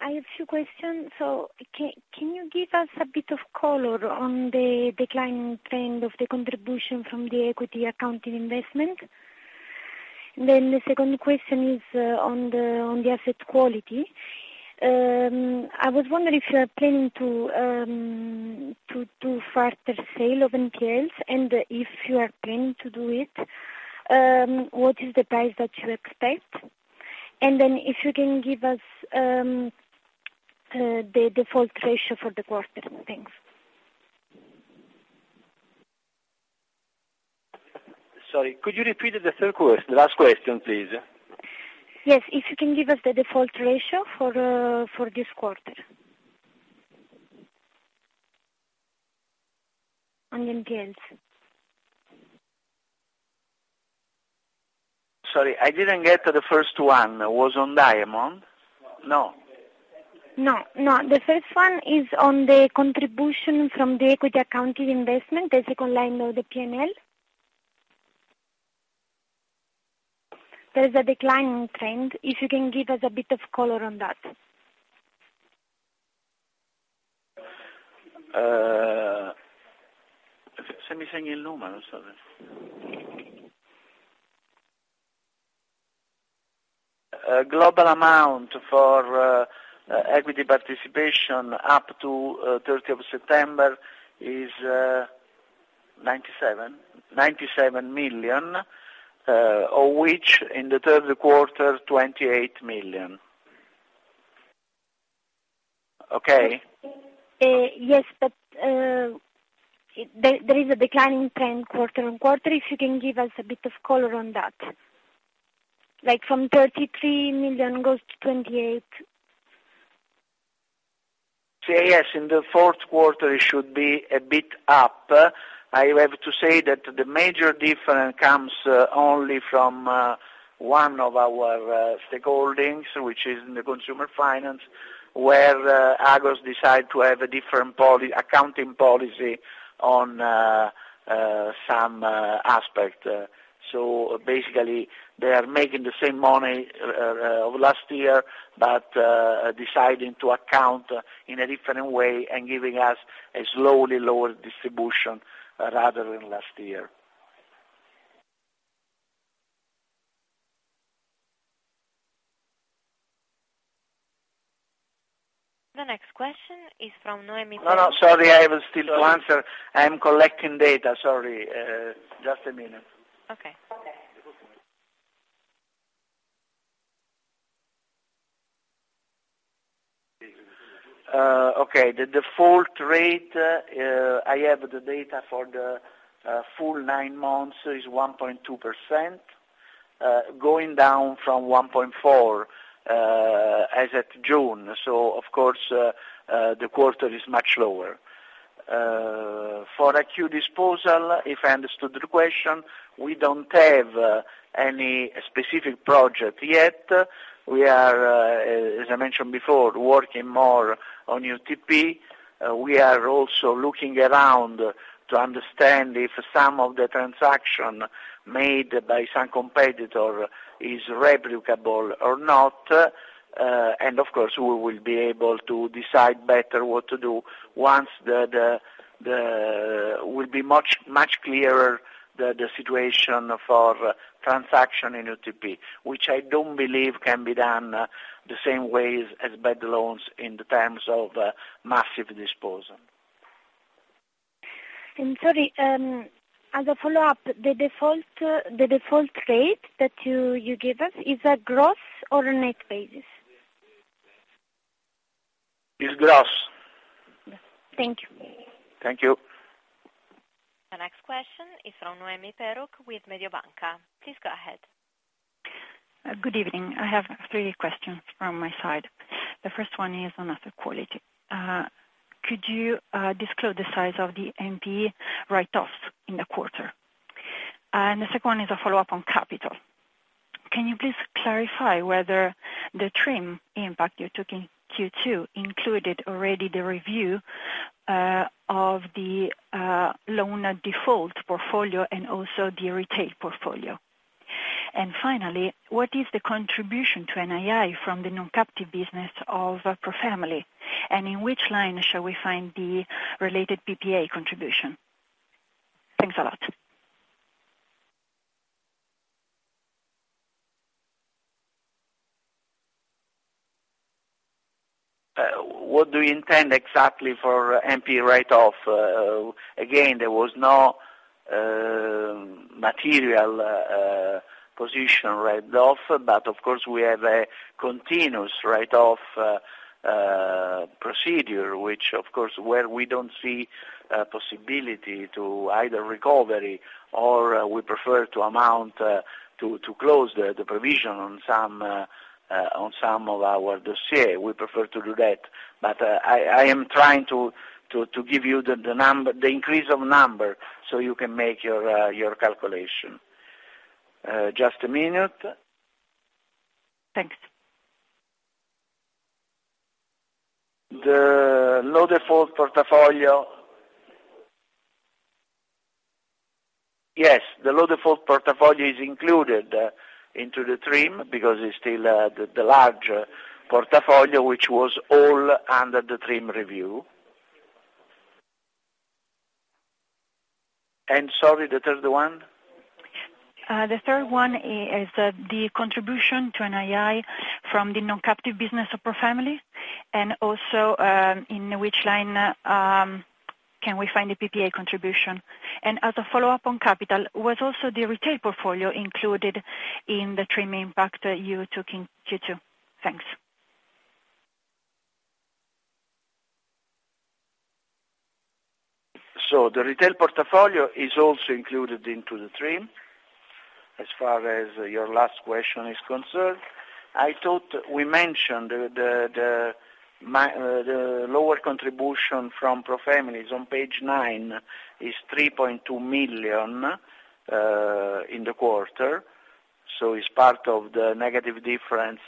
I have two questions. Can you give us a bit of color on the decline trend of the contribution from the equity accounting investment? The second question is on the asset quality. I was wondering if you are planning to do further sale of NPLs, and if you are planning to do it, what is the price that you expect? If you can give us the default ratio for the quarter. Thanks. Sorry, could you repeat the last question, please? Yes. If you can give us the default ratio for this quarter on NPEs. Sorry, I didn't get the first one. Was on Diamanti? No. No. The first one is on the contribution from the equity accounting investment, the second line of the P&L. There is a decline trend, if you can give us a bit of color on that. Global amount for equity participation up to 30th of September is 97 million, of which in the third quarter, 28 million. Okay? Yes, but there is a declining trend quarter-on-quarter. If you can give us a bit of color on that. Like from 33 million goes to 28 million. Yes. In the fourth quarter, it should be a bit up. I have to say that the major difference comes only from one of our stakeholdings, which is in the consumer finance, where Agos decided to have a different accounting policy on some aspect. Basically, they are making the same money of last year, but deciding to account in a different way and giving us a slowly lower distribution rather than last year. The next question is from Noemi. Sorry, I have still to answer. I am collecting data, sorry. Just a minute. Okay. Okay. The default rate, I have the data for the full nine months, is 1.2%, going down from 1.4% as at June. Of course, the quarter is much lower. For NPL disposal, if I understood the question, we don't have any specific project yet. We are, as I mentioned before, working more on UTP. We are also looking around to understand if some of the transaction made by some competitor is replicable or not. Of course, we will be able to decide better what to do once it will be much clearer, the situation for transaction in UTP. Which I don't believe can be done the same way as bad loans in the terms of massive disposal. Sorry, as a follow-up, the default rate that you gave us, is that gross or net basis? Is gross. Thank you. Thank you. The next question is from Noemi Peruch with Mediobanca. Please go ahead. Good evening. I have three questions from my side. The first one is on asset quality. Could you disclose the size of the NPE write-offs in the quarter? The second one is a follow-up on capital. Can you please clarify whether the TRIM impact you took in Q2 included already the review of the loan default portfolio and also the retail portfolio? Finally, what is the contribution to NII from the non-captive business of ProFamily, and in which line shall we find the related PPA contribution? Thanks a lot. What do you intend exactly for NPE write-off? Again, there was no material position write-off, but of course, we have a continuous write-off procedure, which, of course, where we don't see a possibility to either recover or we prefer to amount to close the provision on some of our dossier. We prefer to do that. I am trying to give you the increase of number so you can make your calculation. Just a minute. Thanks. The low default portafoglio. Yes, the low default portafoglio is included into the TRIM because it's still the large portafoglio, which was all under the TRIM review. Sorry, the third one? The third one is the contribution to NII from the non-captive business of ProFamily and also in which line can we find the PPA contribution. As a follow-up on capital, was also the retail portfolio included in the TRIM impact you took in Q2? Thanks. The retail portafoglio is also included into the TRIM, as far as your last question is concerned. I thought we mentioned the lower contribution from ProFamily is on page nine, is 3.2 million in the quarter, so it's part of the negative difference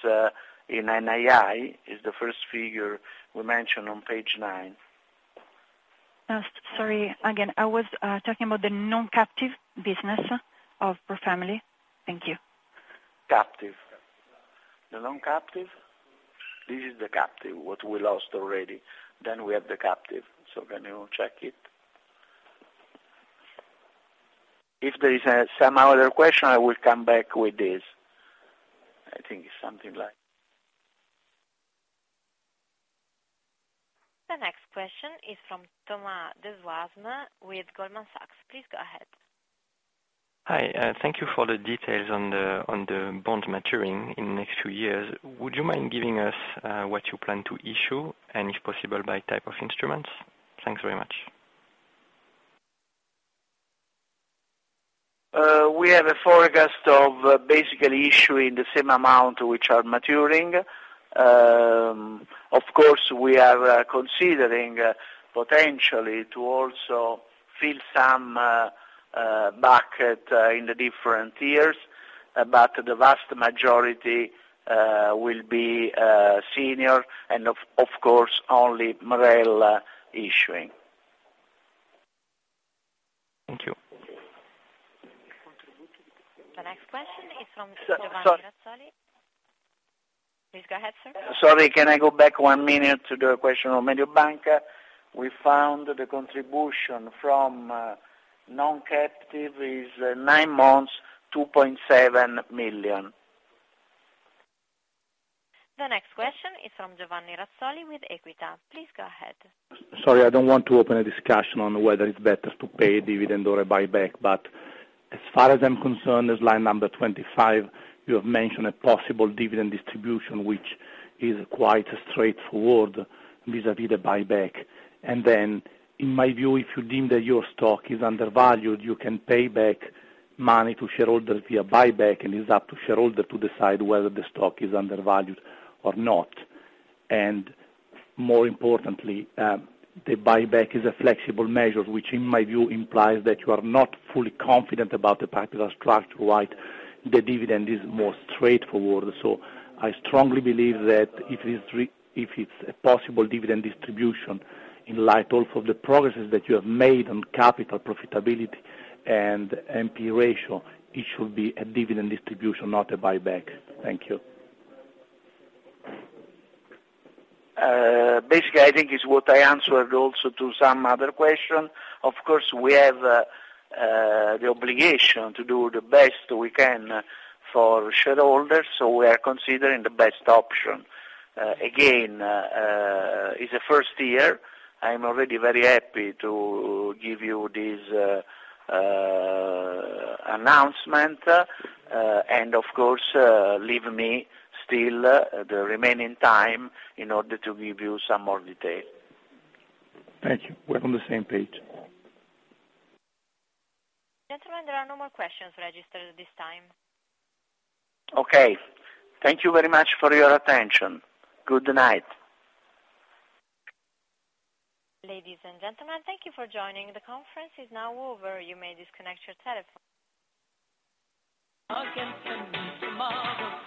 in NII, is the first figure we mentioned on page nine. Sorry. I was talking about the non-captive business of ProFamily. Thank you. Captive. The non-captive? This is the captive, what we lost already. We have the captive. Let me check it. If there is some other question, I will come back with this. I think it's something like The next question is from Thomas Desvaux with Goldman Sachs. Please go ahead. Hi. Thank you for the details on the bond maturing in the next few years. Would you mind giving us what you plan to issue, and if possible, by type of instruments? Thanks very much. We have a forecast of basically issuing the same amount which are maturing. Of course, we are considering potentially to also fill some bucket in the different years, but the vast majority will be senior and of course, only MREL issuing. Thank you. The next question is from Giovanni Razzoli. Please go ahead, sir. Sorry, can I go back one minute to the question of Mediobanca? We found the contribution from non-captive is nine months, 2.7 million. The next question is from Giovanni Razzoli with Equita. Please go ahead. Sorry, I don't want to open a discussion on whether it's better to pay a dividend or a buyback, but as far as I'm concerned, as line number 25, you have mentioned a possible dividend distribution, which is quite straightforward vis-à-vis the buyback. In my view, if you deem that your stock is undervalued, you can pay back money to shareholders via buyback, and it's up to shareholder to decide whether the stock is undervalued or not. More importantly, the buyback is a flexible measure, which in my view implies that you are not fully confident about the particular structure, while the dividend is more straightforward. I strongly believe that if it's a possible dividend distribution in light of the progresses that you have made on capital profitability and NPE ratio, it should be a dividend distribution, not a buyback. Thank you. I think it's what I answered also to some other question. We have the obligation to do the best we can for shareholders, we are considering the best option. It's the first year. I'm already very happy to give you this announcement, leave me still the remaining time in order to give you some more detail. Thank you. We're on the same page. Gentlemen, there are no more questions registered at this time. Okay. Thank you very much for your attention. Good night. Ladies and gentlemen, thank you for joining. The conference is now over. You may disconnect your telephone.